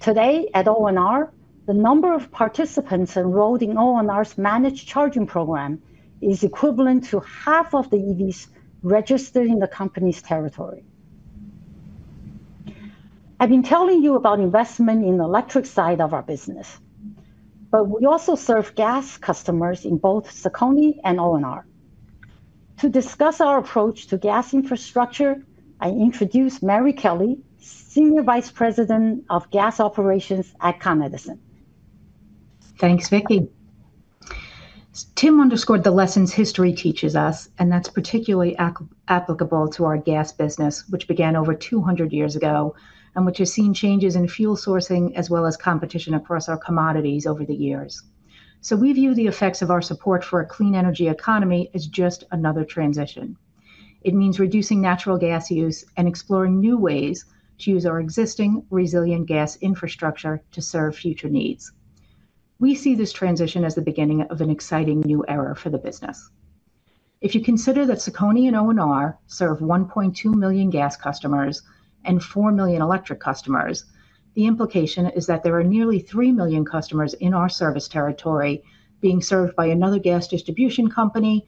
Today at O&R, the number of participants enrolled in O&R's managed charging program is equivalent to half of the EVs registered in the company's territory. I've been telling you about investment in the electric side of our business, but we also serve gas customers in both CECONY and O&R. To discuss our approach to gas infrastructure, I introduce Mary Kelly, Senior Vice President, Gas Operations at Con Edison. Thanks, Vicki. Tim underscored the lessons history teaches us, and that's particularly applicable to our gas business, which began over 200 years ago and which has seen changes in fuel sourcing as well as competition across our commodities over the years. We view the effects of our support for a clean energy economy as just another transition. It means reducing natural gas use and exploring new ways to use our existing resilient gas infrastructure to serve future needs. We see this transition as the beginning of an exciting new era for the business. If you consider that CECONY and O&R serve 1.2 million gas customers and 4 million electric customers, the implication is that there are nearly 3 million customers in our service territory being served by another gas distribution company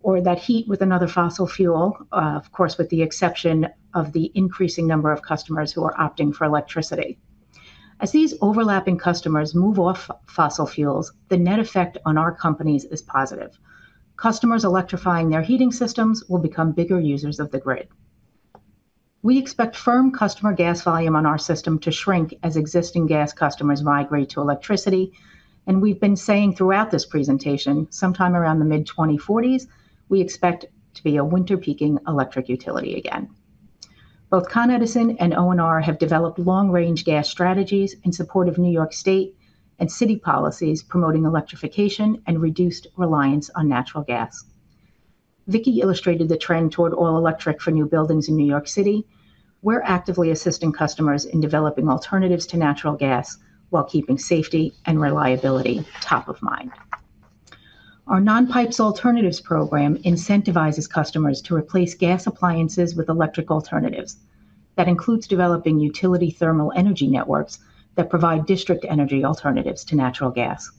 or that heat with another fossil fuel, of course, with the exception of the increasing number of customers who are opting for electricity. As these overlapping customers move off fossil fuels, the net effect on our companies is positive. Customers electrifying their heating systems will become bigger users of the grid. We expect firm customer gas volume on our system to shrink as existing gas customers migrate to electricity, and as we've been saying throughout this presentation, sometime around the mid-2040s, we expect to be a winter-peaking electric utility again. Both Con Edison and O&R have developed long-range gas strategies in support of New York State and city policies promoting electrification and reduced reliance on natural gas. Vicki illustrated the trend toward all electric for new buildings in New York City. We're actively assisting customers in developing alternatives to natural gas while keeping safety and reliability top of mind. Our non-pipes alternatives program incentivizes customers to replace gas appliances with electric alternatives. That includes developing utility thermal energy networks that provide district energy alternatives to natural gas.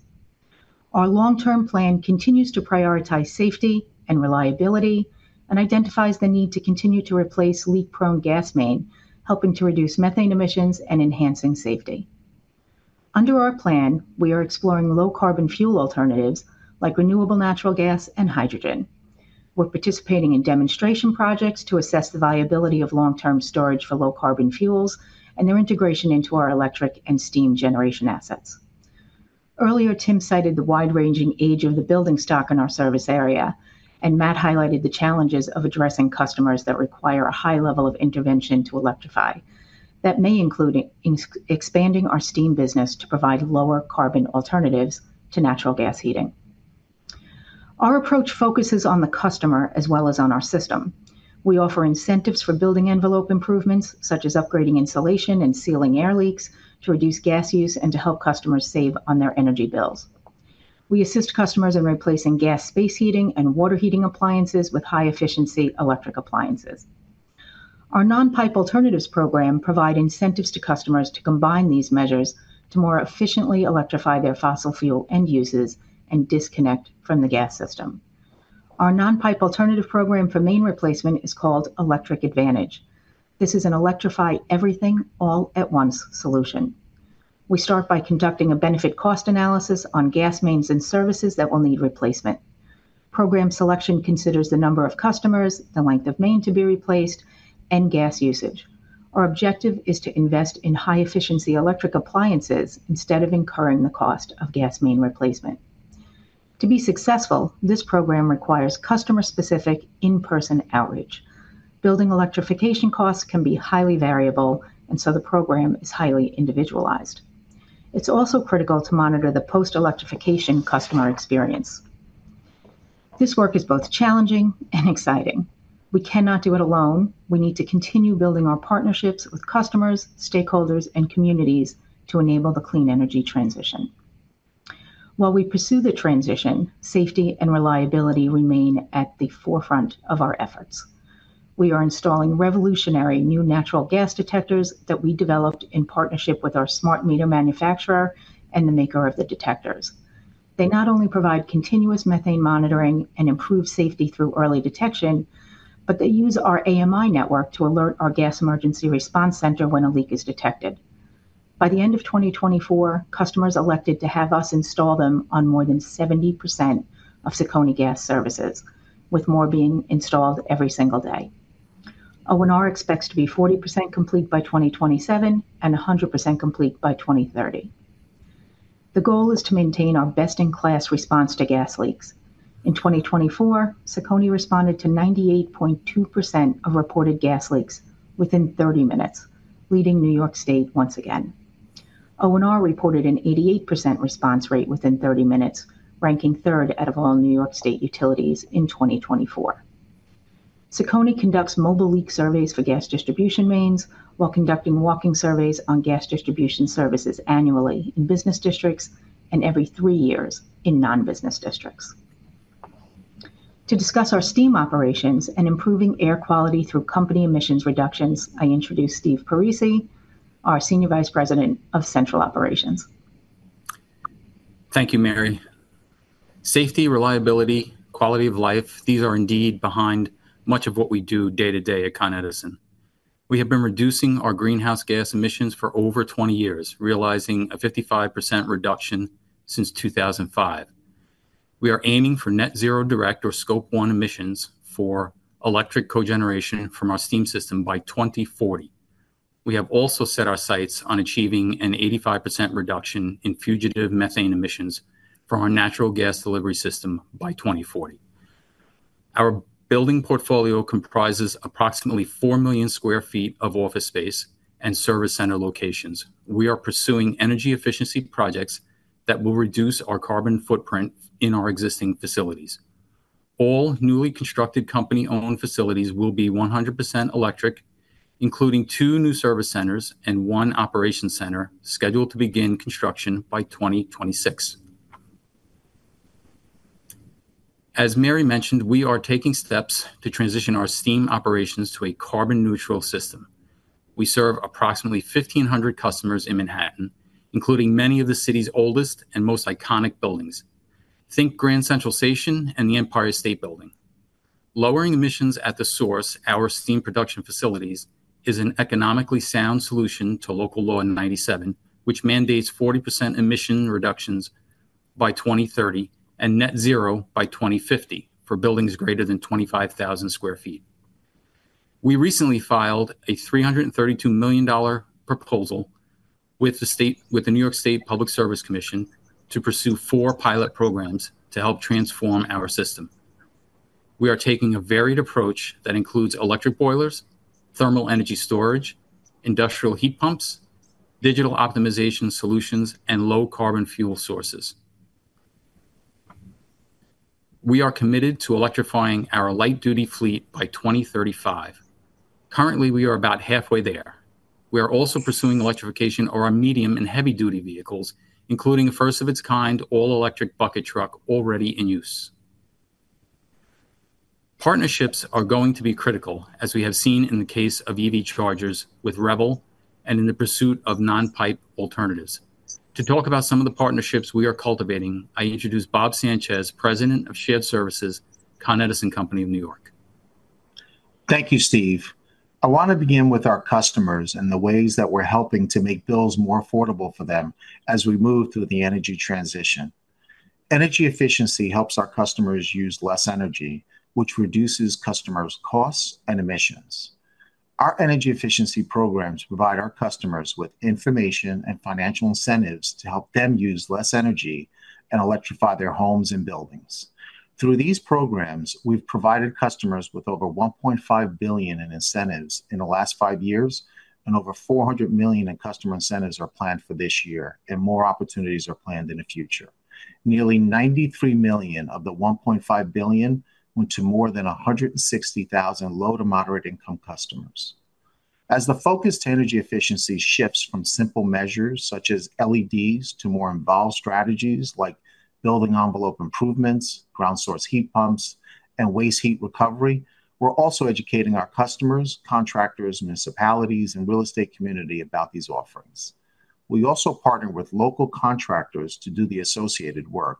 Our long-term plan continues to prioritize safety and reliability and identifies the need to continue to replace leak-prone gas main, helping to reduce methane emissions and enhancing safety. Under our plan, we are exploring low-carbon fuel alternatives like renewable natural gas and hydrogen. We're participating in demonstration projects to assess the viability of long-term storage for low-carbon fuels and their integration into our electric and steam generation assets. Earlier, Tim cited the wide-ranging age of the building stock in our service area, and Matt highlighted the challenges of addressing customers that require a high level of intervention to electrify. That may include expanding our steam business to provide lower carbon alternatives to natural gas heating. Our approach focuses on the customer as well as on our system. We offer incentives for building envelope improvements, such as upgrading insulation and sealing air leaks to reduce gas use and to help customers save on their energy bills. We assist customers in replacing gas space heating and water heating appliances with high-efficiency electric appliances. Our non-pipe alternatives program provides incentives to customers to combine these measures to more efficiently electrify their fossil fuel end uses and disconnect from the gas system. Our non-pipe alternative program for main replacement is called Electric Advantage. This is an electrify everything all at once solution. We start by conducting a benefit cost analysis on gas mains and services that will need replacement. Program selection considers the number of customers, the length of main to be replaced, and gas usage. Our objective is to invest in high-efficiency electric appliances instead of incurring the cost of gas main replacement. To be successful, this program requires customer-specific in-person outreach. Building electrification costs can be highly variable, and so the program is highly individualized. It's also critical to monitor the post-electrification customer experience. This work is both challenging and exciting. We cannot do it alone. We need to continue building our partnerships with customers, stakeholders, and communities to enable the clean energy transition. While we pursue the transition, safety and reliability remain at the forefront of our efforts. We are installing revolutionary new natural gas detectors that we developed in partnership with our smart meter manufacturer and the maker of the detectors. They not only provide continuous methane monitoring and improve safety through early detection, but they use our AMI network to alert our gas emergency response center when a leak is detected. By the end of 2024, customers elected to have us install them on more than 70% of CECONY gas services, with more being installed every single day. O&R expects to be 40% complete by 2027 and 100% complete by 2030. The goal is to maintain our best-in-class response to gas leaks. In 2024, CECONY responded to 98.2% of reported gas leaks within 30 minutes, leading New York State once again. O&R reported an 88% response rate within 30 minutes, ranking third out of all New York State utilities in 2024. Con Edison conducts mobile leak surveys for gas distribution mains while conducting walking surveys on gas distribution services annually in business districts and every three years in non-business districts. To discuss our steam operations and improving air quality through company emissions reductions, I introduce Steve Parisi, our Senior Vice President of Central Operations. Thank you, Mary. Safety, reliability, quality of life, these are indeed behind much of what we do day-to-day at Con Edison. We have been reducing our greenhouse gas emissions for over 20 years, realizing a 55% reduction since 2005. We are aiming for net zero direct or Scope 1 emissions for electric cogeneration from our steam system by 2040. We have also set our sights on achieving an 85% reduction in fugitive methane emissions for our natural gas delivery system by 2040. Our building portfolio comprises approximately 4 million square feet of office space and service center locations. We are pursuing energy efficiency projects that will reduce our carbon footprint in our existing facilities. All newly constructed company-owned facilities will be 100% electric, including two new service centers and one operations center scheduled to begin construction by 2026. As Mary mentioned, we are taking steps to transition our steam operations to a carbon-neutral system. We serve approximately 1,500 customers in Manhattan, including many of the city's oldest and most iconic buildings. Think Grand Central Station and the Empire State Building. Lowering emissions at the source at our steam production facilities is an economically sound solution to Local Law 97, which mandates 40% emission reductions by 2030 and net zero by 2050 for buildings greater than 25,000 square feet. We recently filed a $332 million proposal with the New York State Public Service Commission to pursue four pilot programs to help transform our system. We are taking a varied approach that includes electric boilers, thermal energy storage, industrial heat pumps, digital optimization solutions, and low carbon fuel sources. We are committed to electrifying our light-duty fleet by 2035. Currently, we are about halfway there. We are also pursuing electrification of our medium and heavy-duty vehicles, including a first-of-its-kind all-electric bucket truck already in use. Partnerships are going to be critical, as we have seen in the case of EV chargers with Revel and in the pursuit of non-pipe alternatives. To talk about some of the partnerships we are cultivating, I introduce Bob Sanchez, President of Electric Service, Con Edison Company of New York. Thank you, Steve. I want to begin with our customers and the ways that we're helping to make bills more affordable for them as we move through the energy transition. Energy efficiency helps our customers use less energy, which reduces customers' costs and emissions. Our energy efficiency programs provide our customers with information and financial incentives to help them use less energy and electrify their homes and buildings. Through these programs, we've provided customers with over $1.5 billion in incentives in the last five years, and over $400 million in customer incentives are planned for this year, and more opportunities are planned in the future. Nearly $93 million of the $1.5 billion went to more than 160,000 low to moderate income customers. As the focus to energy efficiency shifts from simple measures such as LEDs to more involved strategies like building envelope improvements, ground source heat pumps, and waste heat recovery, we're also educating our customers, contractors, municipalities, and real estate community about these offerings. We also partner with local contractors to do the associated work,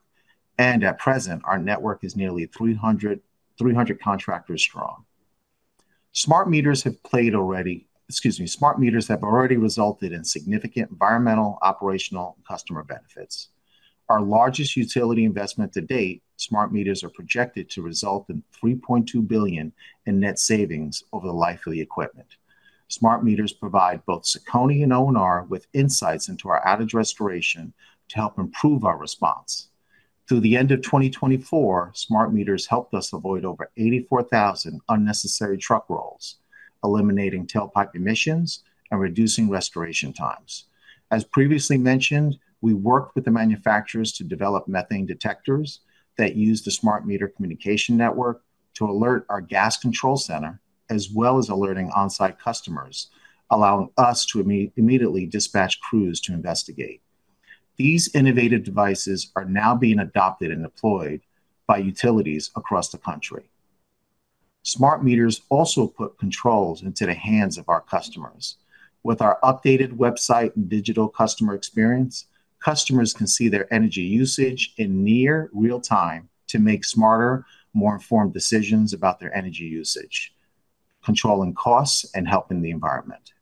and at present, our network is nearly 300 contractors strong. Smart meters have already resulted in significant environmental, operational, and customer benefits. Our largest utility investment to date, smart meters are projected to result in $3.2 billion in net savings over the life of the equipment. Smart meters provide both CECONY and O&R with insights into our added restoration to help improve our response. Through the end of 2024, smart meters helped us avoid over 84,000 unnecessary truck rolls, eliminating tailpipe emissions and reducing restoration times. As previously mentioned, we worked with the manufacturers to develop methane detectors that use the smart meter communication network to alert our gas control center, as well as alerting onsite customers, allowing us to immediately dispatch crews to investigate. These innovative devices are now being adopted and deployed by utilities across the country. Smart meters also put controls into the hands of our customers. With our updated website and digital customer experience, customers can see their energy usage in near real time to make smarter, more informed decisions about their energy usage, controlling costs and helping the environment.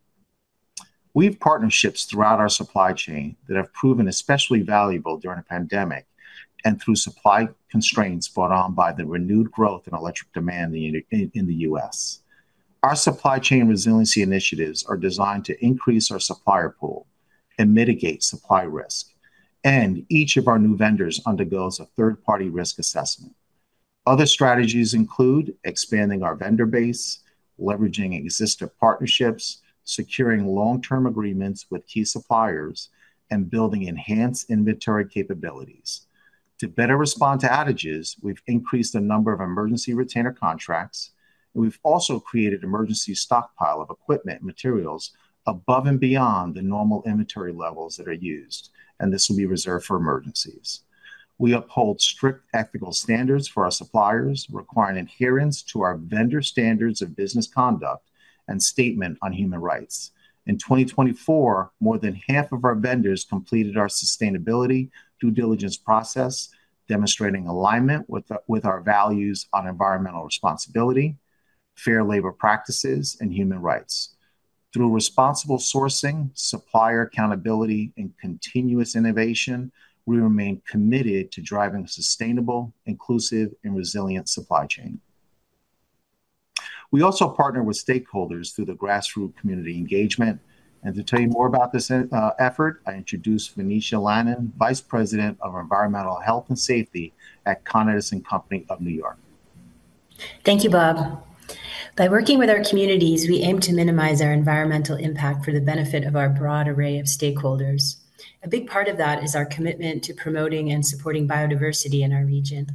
We have partnerships throughout our supply chain that have proven especially valuable during a pandemic and through supply constraints brought on by the renewed growth in electric demand in the U.S. Our supply chain resiliency initiatives are designed to increase our supplier pool and mitigate supply risk, and each of our new vendors undergoes a third-party risk assessment. Other strategies include expanding our vendor base, leveraging existing partnerships, securing long-term agreements with key suppliers, and building enhanced inventory capabilities. To better respond to outages, we've increased the number of emergency retainer contracts, and we've also created an emergency stockpile of equipment and materials above and beyond the normal inventory levels that are used, and this will be reserved for emergencies. We uphold strict ethical standards for our suppliers, requiring adherence to our vendor standards of business conduct and statement on human rights. In 2024, more than half of our vendors completed our sustainability due diligence process, demonstrating alignment with our values on environmental responsibility, fair labor practices, and human rights. Through responsible sourcing, supplier accountability, and continuous innovation, we remain committed to driving a sustainable, inclusive, and resilient supply chain. We also partner with stakeholders through grassroots community engagement, and to tell you more about this effort, I introduce Venetia Lannon, Vice President, Environmental Health and Safety at Con Edison Company of New York. Thank you, Bob. By working with our communities, we aim to minimize our environmental impact for the benefit of our broad array of stakeholders. A big part of that is our commitment to promoting and supporting biodiversity in our region.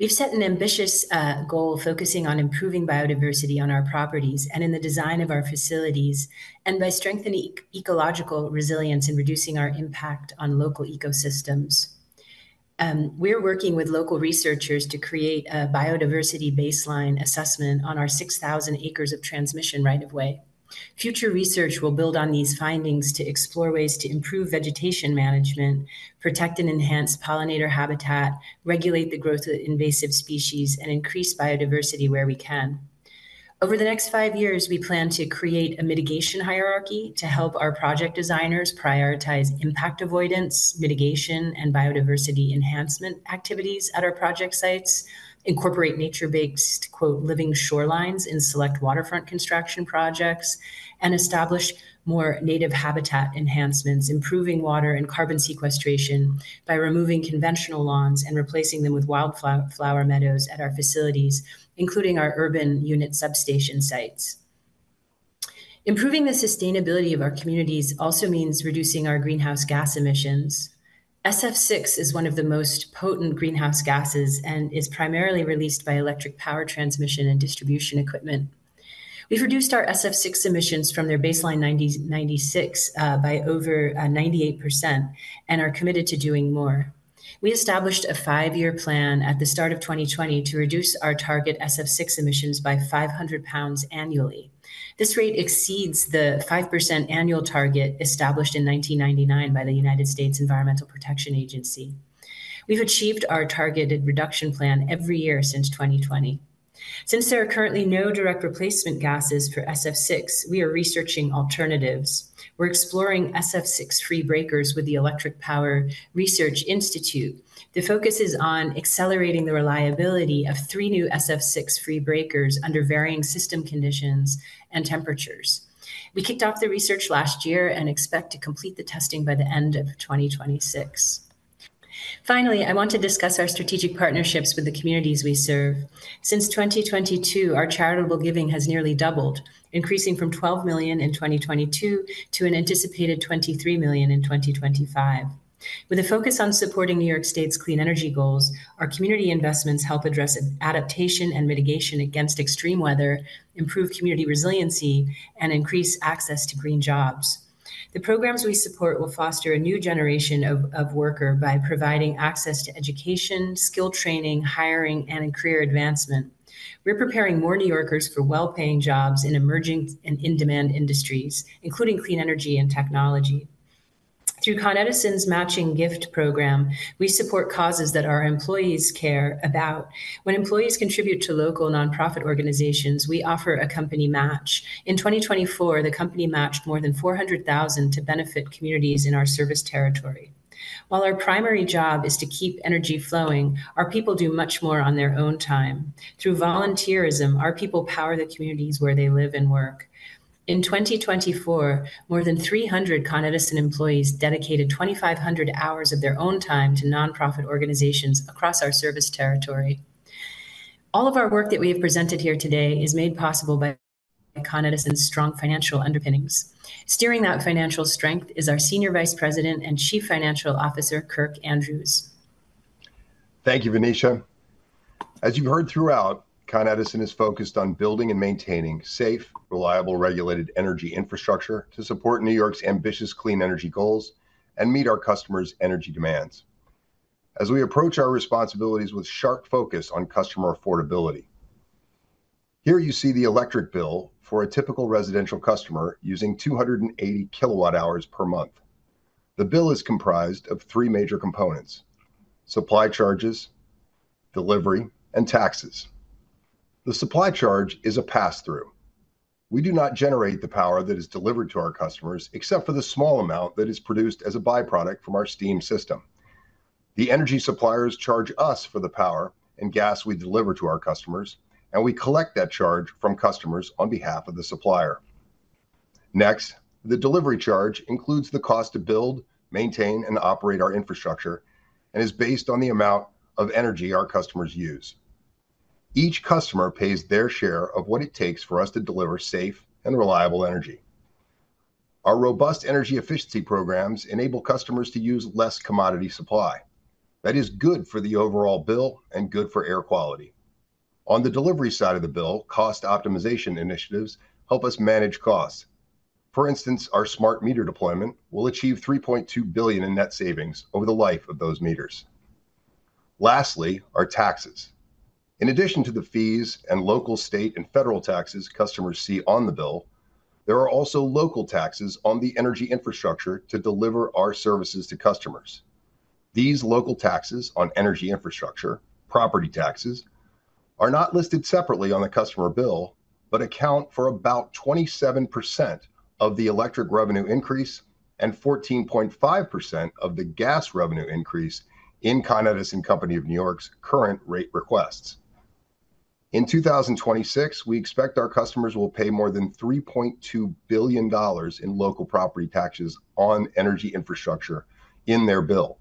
We've set an ambitious goal focusing on improving biodiversity on our properties and in the design of our facilities, and by strengthening ecological resilience and reducing our impact on local ecosystems. We're working with local researchers to create a biodiversity baseline assessment on our 6,000 acres of transmission right of way. Future research will build on these findings to explore ways to improve vegetation management, protect and enhance pollinator habitat, regulate the growth of invasive species, and increase biodiversity where we can. Over the next five years, we plan to create a mitigation hierarchy to help our project designers prioritize impact avoidance, mitigation, and biodiversity enhancement activities at our project sites, incorporate nature-based "living shorelines" in select waterfront construction projects, and establish more native habitat enhancements, improving water and carbon sequestration by removing conventional lawns and replacing them with wildflower meadows at our facilities, including our urban unit substation sites. Improving the sustainability of our communities also means reducing our greenhouse gas emissions. SF6 is one of the most potent greenhouse gases and is primarily released by electric power transmission and distribution equipment. We've reduced our SF6 emissions from their baseline in 1996 by over 98% and are committed to doing more. We established a five-year plan at the start of 2020 to reduce our target SF6 emissions by 500 pounds annually. This rate exceeds the 5% annual target established in 1999 by the U.S. Environmental Protection Agency. We've achieved our targeted reduction plan every year since 2020. Since there are currently no direct replacement gases for SF6, we are researching alternatives. We're exploring SF6 free breakers with the Electric Power Research Institute. The focus is on accelerating the reliability of three new SF6 free breakers under varying system conditions and temperatures. We kicked off the research last year and expect to complete the testing by the end of 2026. Finally, I want to discuss our strategic partnerships with the communities we serve. Since 2022, our charitable giving has nearly doubled, increasing from $12 million in 2022 to an anticipated $23 million in 2025. With a focus on supporting New York State's clean energy goals, our community investments help address adaptation and mitigation against extreme weather, improve community resiliency, and increase access to green jobs. The programs we support will foster a new generation of workers by providing access to education, skill training, hiring, and career advancement. We're preparing more New Yorkers for well-paying jobs in emerging and in-demand industries, including clean energy and technology. Through Con Edison's matching gift program, we support causes that our employees care about. When employees contribute to local nonprofit organizations, we offer a company match. In 2024, the company matched more than $400,000 to benefit communities in our service territory. While our primary job is to keep energy flowing, our people do much more on their own time. Through volunteerism, our people power the communities where they live and work. In 2024, more than 300 Con Edison employees dedicated 2,500 hours of their own time to nonprofit organizations across our service territory. All of our work that we have presented here today is made possible by Con Edison's strong financial underpinnings. Steering that financial strength is our Senior Vice President and Chief Financial Officer, Kirk Andrews. Thank you, Venetia. As you've heard throughout, Con Edison is focused on building and maintaining safe, reliable, regulated energy infrastructure to support New York's ambitious clean energy goals and meet our customers' energy demands. As we approach our responsibilities with sharp focus on customer affordability, here you see the electric bill for a typical residential customer using 280 kilowatt hours per month. The bill is comprised of three major components: supply charges, delivery, and taxes. The supply charge is a pass-through. We do not generate the power that is delivered to our customers except for the small amount that is produced as a byproduct from our steam system. The energy suppliers charge us for the power and gas we deliver to our customers, and we collect that charge from customers on behalf of the supplier. Next, the delivery charge includes the cost to build, maintain, and operate our infrastructure and is based on the amount of energy our customers use. Each customer pays their share of what it takes for us to deliver safe and reliable energy. Our robust energy efficiency programs enable customers to use less commodity supply. That is good for the overall bill and good for air quality. On the delivery side of the bill, cost optimization initiatives help us manage costs. For instance, our smart meter deployment will achieve $3.2 billion in net savings over the life of those meters. Lastly, our taxes. In addition to the fees and local, state, and federal taxes customers see on the bill, there are also local taxes on the energy infrastructure to deliver our services to customers. These local taxes on energy infrastructure, property taxes, are not listed separately on the customer bill but account for about 27% of the electric revenue increase and 14.5% of the gas revenue increase in Con Edison Company of New York's current rate requests. In 2026, we expect our customers will pay more than $3.2 billion in local property taxes on energy infrastructure in their bill.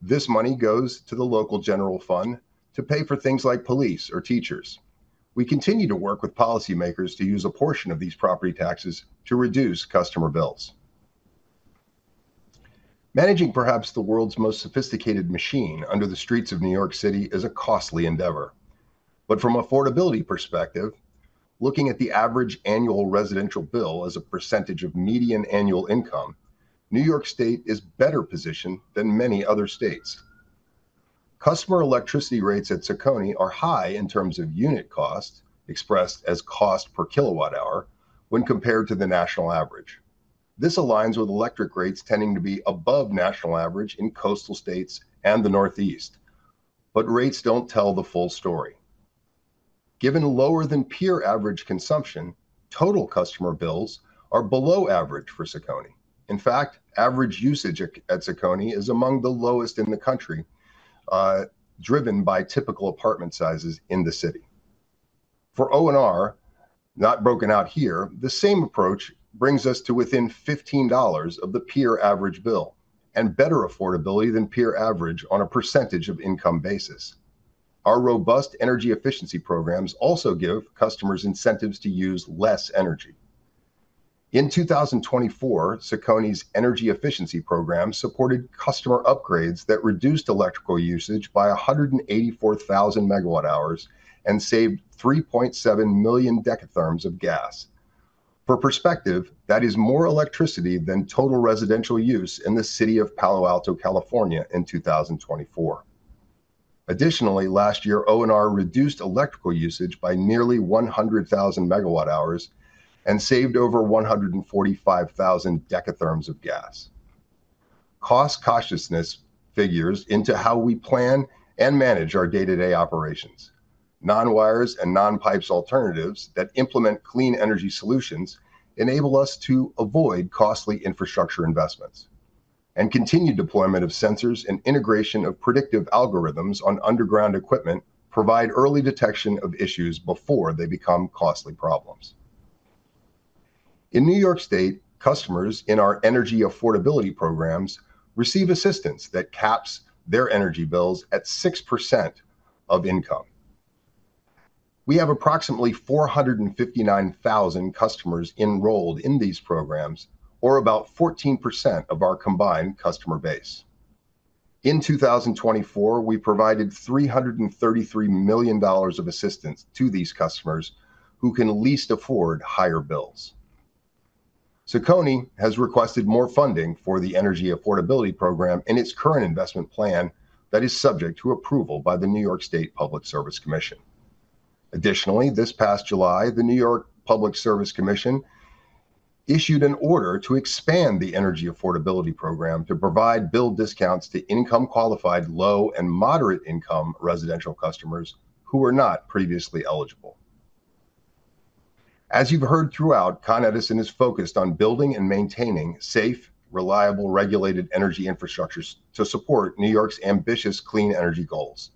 This money goes to the local general fund to pay for things like police or teachers. We continue to work with policymakers to use a portion of these property taxes to reduce customer bills. Managing perhaps the world's most sophisticated machine under the streets of New York City is a costly endeavor. From an affordability perspective, looking at the average annual residential bill as a % of median annual income, New York State is better positioned than many other states. Customer electricity rates at CECONY are high in terms of unit cost, expressed as cost per kilowatt hour, when compared to the national average. This aligns with electric rates tending to be above the national average in coastal states and the Northeast. Rates don't tell the full story. Given lower than peer average consumption, total customer bills are below average for CECONY. In fact, average usage at CECONY is among the lowest in the country, driven by typical apartment sizes in the city. For O&R, not broken out here, the same approach brings us to within $15 of the peer average bill and better affordability than peer average on a percentage of income basis. Our robust energy efficiency programs also give customers incentives to use less energy. In 2024, CECONY's energy efficiency programs supported customer upgrades that reduced electrical usage by 184,000 megawatt hours and saved 3.7 million decatherms of gas. For perspective, that is more electricity than total residential use in the city of Palo Alto, California, in 2024. Additionally, last. Utilities reduced electrical usage by nearly 100,000 megawatt-hours and saved over 145,000 decatherms of gas. Cost-consciousness figures into how we plan and manage our day-to-day operations. Non-wires and non-pipes alternatives that implement clean energy solutions enable us to avoid costly infrastructure investments. Continued deployment of sensors and integration of predictive algorithms on underground equipment provide early detection of issues before they become costly problems. In New York, customers in our energy affordability programs receive assistance that caps their energy bills at 6% of income. We have approximately 459,000 customers enrolled in these programs, or about 14% of our combined customer base. In 2024, we provided $333 million of assistance to these customers who can least afford higher bills. CECONY has requested more funding for the Energy Affordability Program in its current investment plan that is subject to approval by the New York State Public Service Commission. Additionally, this past July, the New York Public Service Commission issued an order to expand the Energy Affordability Program to provide bill discounts to income-qualified, low and moderate-income residential customers who were not previously eligible. As you've heard throughout, Con Edison is focused on building and maintaining safe, reliable, regulated energy infrastructures to support New York's ambitious clean energy goals.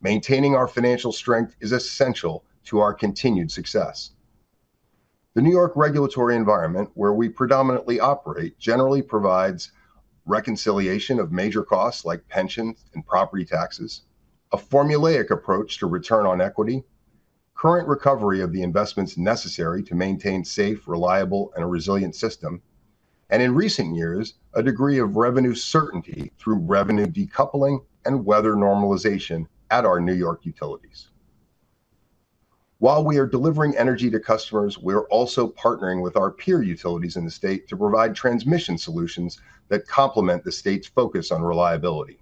Maintaining our financial strength is essential to our continued success. The New York regulatory environment, where we predominantly operate, generally provides reconciliation of major costs like pensions and property taxes, a formulaic approach to return on equity, current recovery of the investments necessary to maintain a safe, reliable, and resilient system, and in recent years, a degree of revenue certainty through revenue decoupling and weather normalization at our New York utilities. While we are delivering energy to customers, we are also partnering with our peer utilities in the state to provide transmission solutions that complement the state's focus on reliability.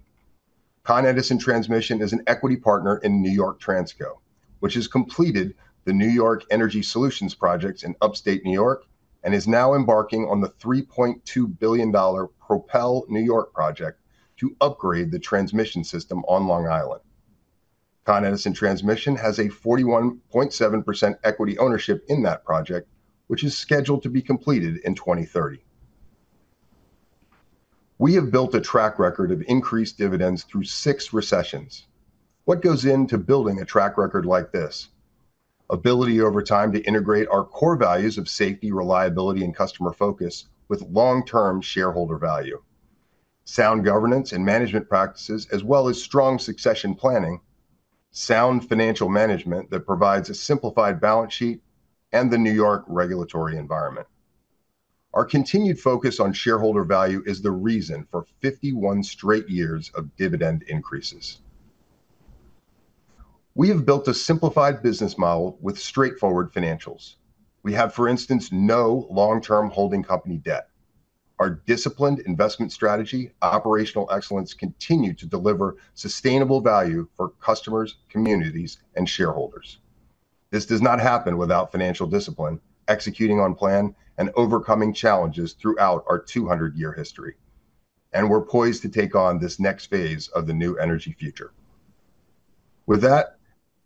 Con Edison Transmission is an equity partner in New York Transco, which has completed the New York Energy Solutions Projects in Upstate New York and is now embarking on the $3.2 billion Propel New York project to upgrade the transmission system on Long Island. Con Edison Transmission has a 41.7% equity ownership in that project, which is scheduled to be completed in 2030. We have built a track record of increased dividends through six recessions. What goes into building a track record like this? Ability over time to integrate our core values of safety, reliability, and customer focus with long-term shareholder value. Sound governance and management practices, as well as strong succession planning. Sound financial management that provides a simplified balance sheet and the New York regulatory environment. Our continued focus on shareholder value is the reason for 51 straight years of dividend increases. We have built a simplified business model with straightforward financials. We have, for instance, no long-term holding company debt. Our disciplined investment strategy and operational excellence continue to deliver sustainable value for customers, communities, and shareholders. This does not happen without financial discipline, executing on plan, and overcoming challenges throughout our 200-year history. We're poised to take on this next phase of the new energy future. With that,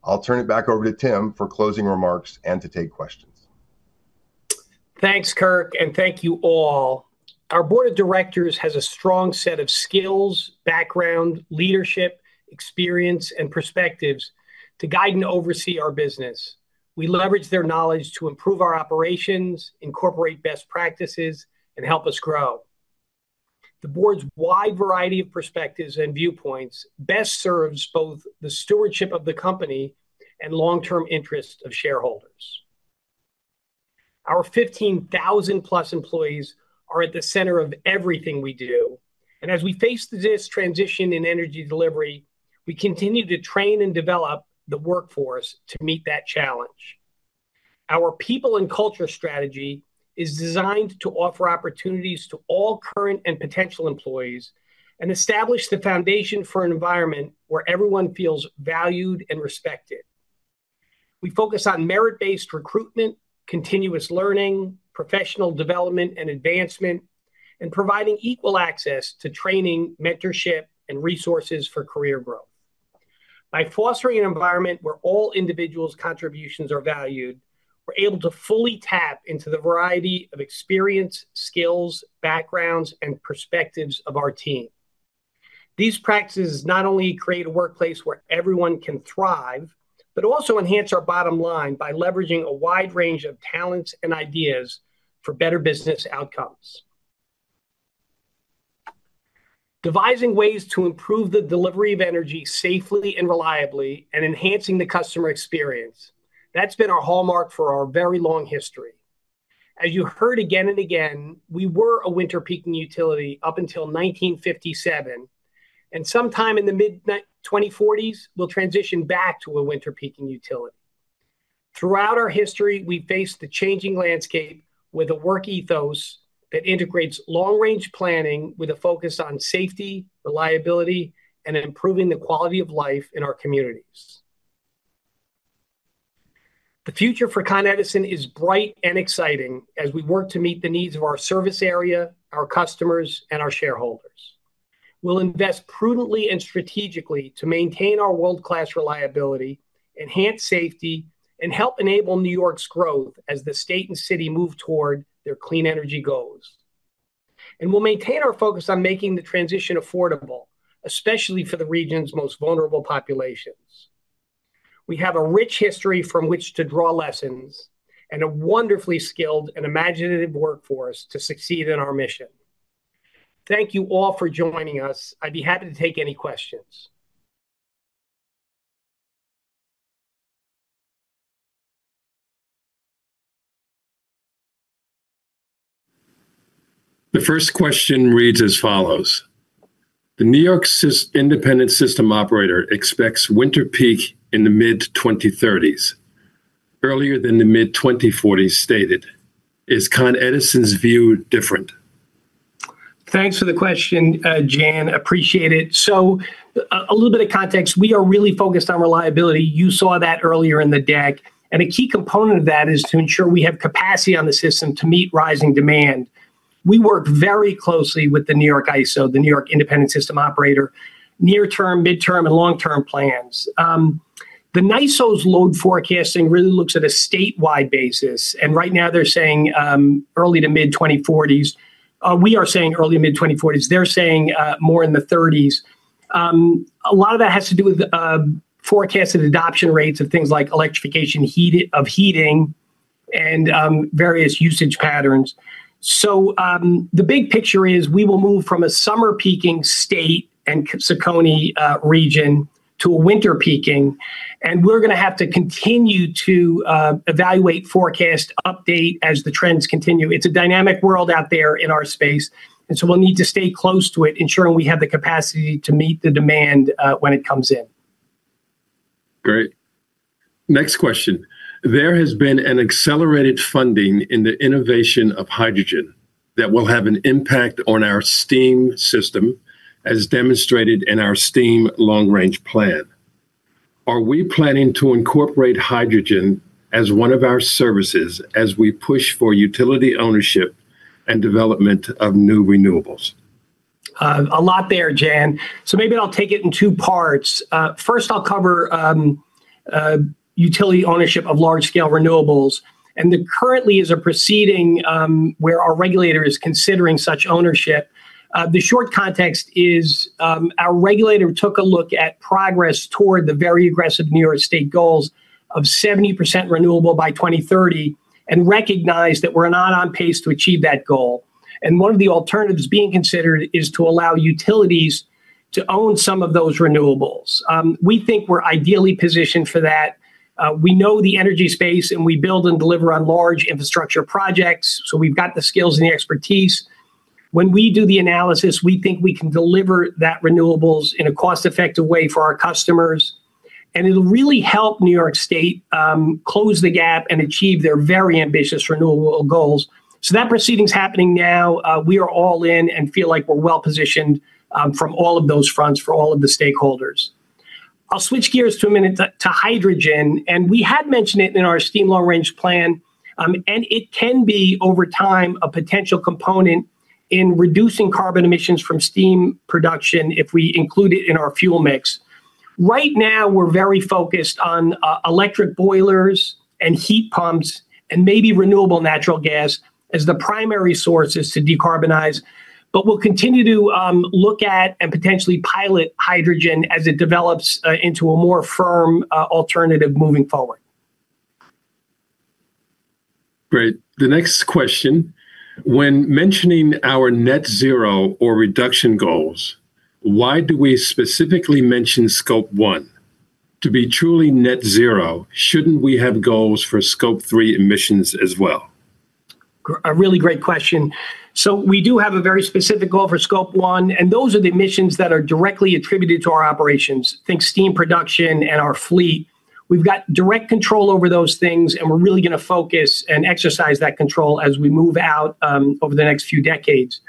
I'll turn it back over to Tim for closing remarks and to take questions. Thanks, Kirk, and thank you all. Our board of directors has a strong set of skills, background, leadership, experience, and perspectives to guide and oversee our business. We leverage their knowledge to improve our operations, incorporate best practices, and help us grow. The board's wide variety of perspectives and viewpoints best serves both the stewardship of the company and long-term interests of shareholders. Our 15,000-plus employees are at the center of everything we do. As we face this transition in energy delivery, we continue to train and develop the workforce to meet that challenge. Our people and culture strategy is designed to offer opportunities to all current and potential employees and establish the foundation for an environment where everyone feels valued and respected. We focus on merit-based recruitment, continuous learning, professional development and advancement, and providing equal access to training, mentorship, and resources for career growth. By fostering an environment where all individuals' contributions are valued, we're able to fully tap into the variety of experience, skills, backgrounds, and perspectives of our team. These practices not only create a workplace where everyone can thrive, but also enhance our bottom line by leveraging a wide range of talents and ideas for better business outcomes. Devising ways to improve the delivery of energy safely and reliably and enhancing the customer experience, that's been our hallmark for our very long history. As you heard again and again, we were a winter peaking utility up until 1957. Sometime in the mid-2040s, we'll transition back to a winter peaking utility. Throughout our history, we faced the changing landscape with a work ethos that integrates long-range planning with a focus on safety, reliability, and improving the quality of life in our communities. The future for Con Edison is bright and exciting as we work to meet the needs of our service area, our customers, and our shareholders. We'll invest prudently and strategically to maintain our world-class reliability, enhance safety, and help enable New York's growth as the state and city move toward their clean energy goals. We'll maintain our focus on making the transition affordable, especially for the region's most vulnerable populations. We have a rich history from which to draw lessons and a wonderfully skilled and imaginative workforce to succeed in our mission. Thank you all for joining us. I'd be happy to take any questions. The first question reads as follows: The New York Independent System Operator expects winter peak in the mid-2030s, earlier than the mid-2040s stated. Is Con Edison's view different? Thanks for the question, Jan. Appreciate it. A little bit of context. We are really focused on reliability. You saw that earlier in the deck, and a key component of that is to ensure we have capacity on the system to meet rising demand. We work very closely with the New York ISO, the New York Independent System Operator, near-term, mid-term, and long-term plans. The NYISO's load forecasting really looks at a statewide basis. Right now, they're saying early to mid-2040s. We are saying early to mid-2040s. They're saying more in the '30s. A lot of that has to do with forecasted adoption rates of things like electrification of heating and various usage patterns. The big picture is we will move from a summer peaking state and CECONY region to a winter peaking. We're going to have to continue to evaluate, forecast, update as the trends continue. It's a dynamic world out there in our space, and we'll need to stay close to it, ensuring we have the capacity to meet the demand when it comes in. Great. Next question: There has been an accelerated funding in the innovation of hydrogen that will have an impact on our steam system, as demonstrated in our steam long-range plan. Are we planning to incorporate hydrogen as one of our services as we push for utility ownership and development of new renewables? A lot there, Jan. Maybe I'll take it in two parts. First, I'll cover utility ownership of large-scale renewables. There currently is a proceeding where our regulator is considering such ownership. The short context is our regulator took a look at progress toward the very aggressive New York State goals of 70% renewable by 2030 and recognized that we're not on pace to achieve that goal. One of the alternatives being considered is to allow utilities to own some of those renewables. We think we're ideally positioned for that. We know the energy space, and we build and deliver on large infrastructure projects. We've got the skills and the expertise. When we do the analysis, we think we can deliver that renewables in a cost-effective way for our customers. It will really help New York State close the gap and achieve their very ambitious renewable goals. That proceeding is happening now. We are all in and feel like we're well positioned from all of those fronts for all of the stakeholders. I'll switch gears for a minute to hydrogen. We had mentioned it in our steam long-range plan. It can be, over time, a potential component in reducing carbon emissions from steam production if we include it in our fuel mix. Right now, we're very focused on electric boilers and heat pumps and maybe renewable natural gas as the primary sources to decarbonize. We'll continue to look at and potentially pilot hydrogen as it develops into a more firm alternative moving forward. Great. The next question: When mentioning our net zero or reduction goals, why do we specifically mention Scope 1? To be truly net zero, shouldn't we have goals for Scope 3 emissions as well? A really great question. We do have a very specific goal for Scope 1. Those are the emissions that are directly attributed to our operations, think steam production and our fleet. We've got direct control over those things. We are really going to focus and exercise that control as we move out over the next few decades.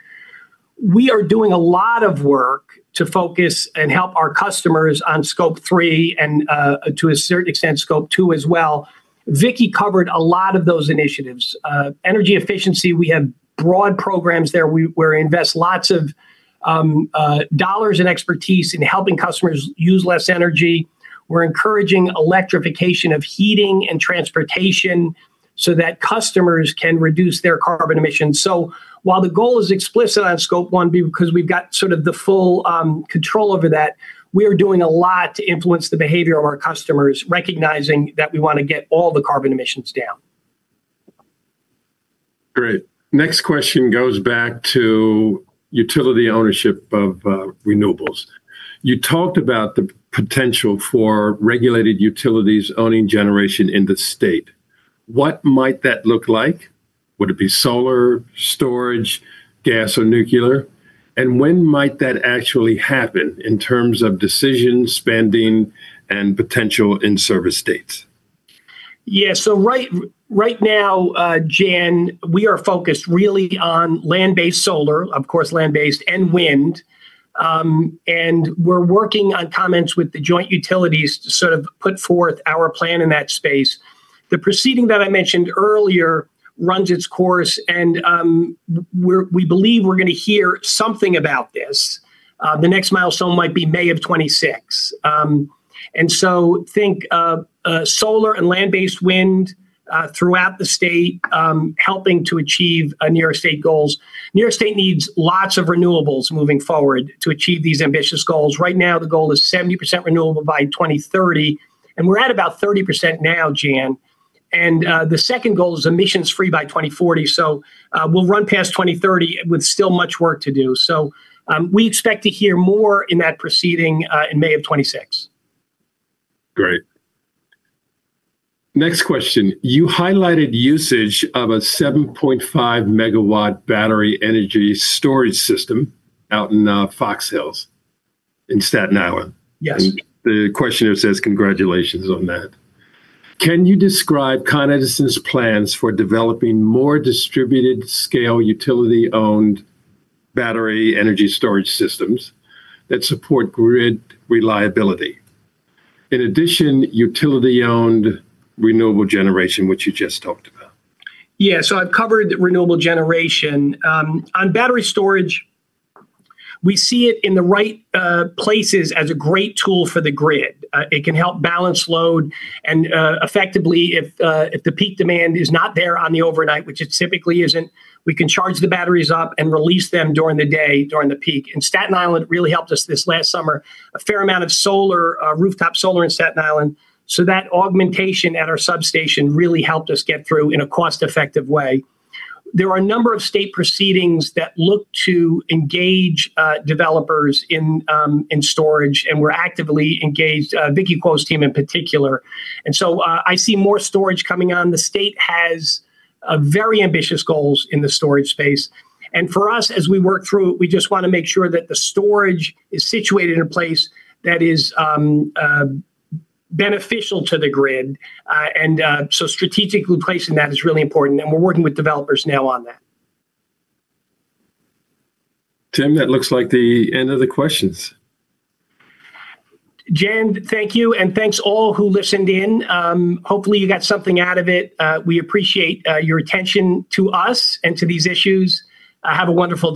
We are doing a lot of work to focus and help our customers on Scope 3 and, to a certain extent, Scope 2 as well. Vicki covered a lot of those initiatives. Energy efficiency, we have broad programs there where we invest lots of dollars and expertise in helping customers use less energy. We're encouraging electrification of heating and transportation so that customers can reduce their carbon emissions. While the goal is explicit on Scope 1, because we've got sort of the full control over that, we are doing a lot to influence the behavior of our customers, recognizing that we want to get all the carbon emissions down. Great. Next question goes back to utility ownership of renewables. You talked about the potential for regulated utilities owning generation in the state. What might that look like? Would it be solar, storage, gas, or nuclear? When might that actually happen in terms of decisions, spending, and potential in-service states? Yeah, right now, Jan, we are focused really on land-based solar, of course, land-based and wind. We're working on comments with the joint utilities to sort of put forth our plan in that space. The proceeding that I mentioned earlier runs its course. We believe we're going to hear something about this. The next milestone might be May of 2026. Think solar and land-based wind throughout the state, helping to achieve New York State goals. New York State needs lots of renewables moving forward to achieve these ambitious goals. Right now, the goal is 70% renewable by 2030, and we're at about 30% now, Jan. The second goal is emissions-free by 2040. We'll run past 2030 with still much work to do. We expect to hear more in that proceeding in May of 2026. Great. Next question: You highlighted usage of a 7.5-megawatt battery storage system out in Fox Hills in Staten Island. Yes. The questioner says, congratulations on that. Can you describe Con Edison's plans for developing more distributed-scale utility-owned battery storage systems that support grid reliability, in addition to utility-owned renewable generation, which you just talked about? Yeah, so I've covered renewable generation. On battery storage, we see it in the right places as a great tool for the grid. It can help balance load. If the peak demand is not there on the overnight, which it typically isn't, we can charge the batteries up and release them during the day, during the peak. Staten Island really helped us this last summer. A fair amount of rooftop solar in Staten Island. That augmentation at our substation really helped us get through in a cost-effective way. There are a number of state proceedings that look to engage developers in storage. We're actively engaged, Vicki Kuo's team in particular. I see more storage coming on. The state has very ambitious goals in the storage space. For us, as we work through it, we just want to make sure that the storage is situated in a place that is beneficial to the grid. Strategically placing that is really important. We're working with developers now on that. Tim, that looks like the end of the questions. Jan, thank you. Thanks all who listened in. Hopefully, you got something out of it. We appreciate your attention to us and to these issues. Have a wonderful day.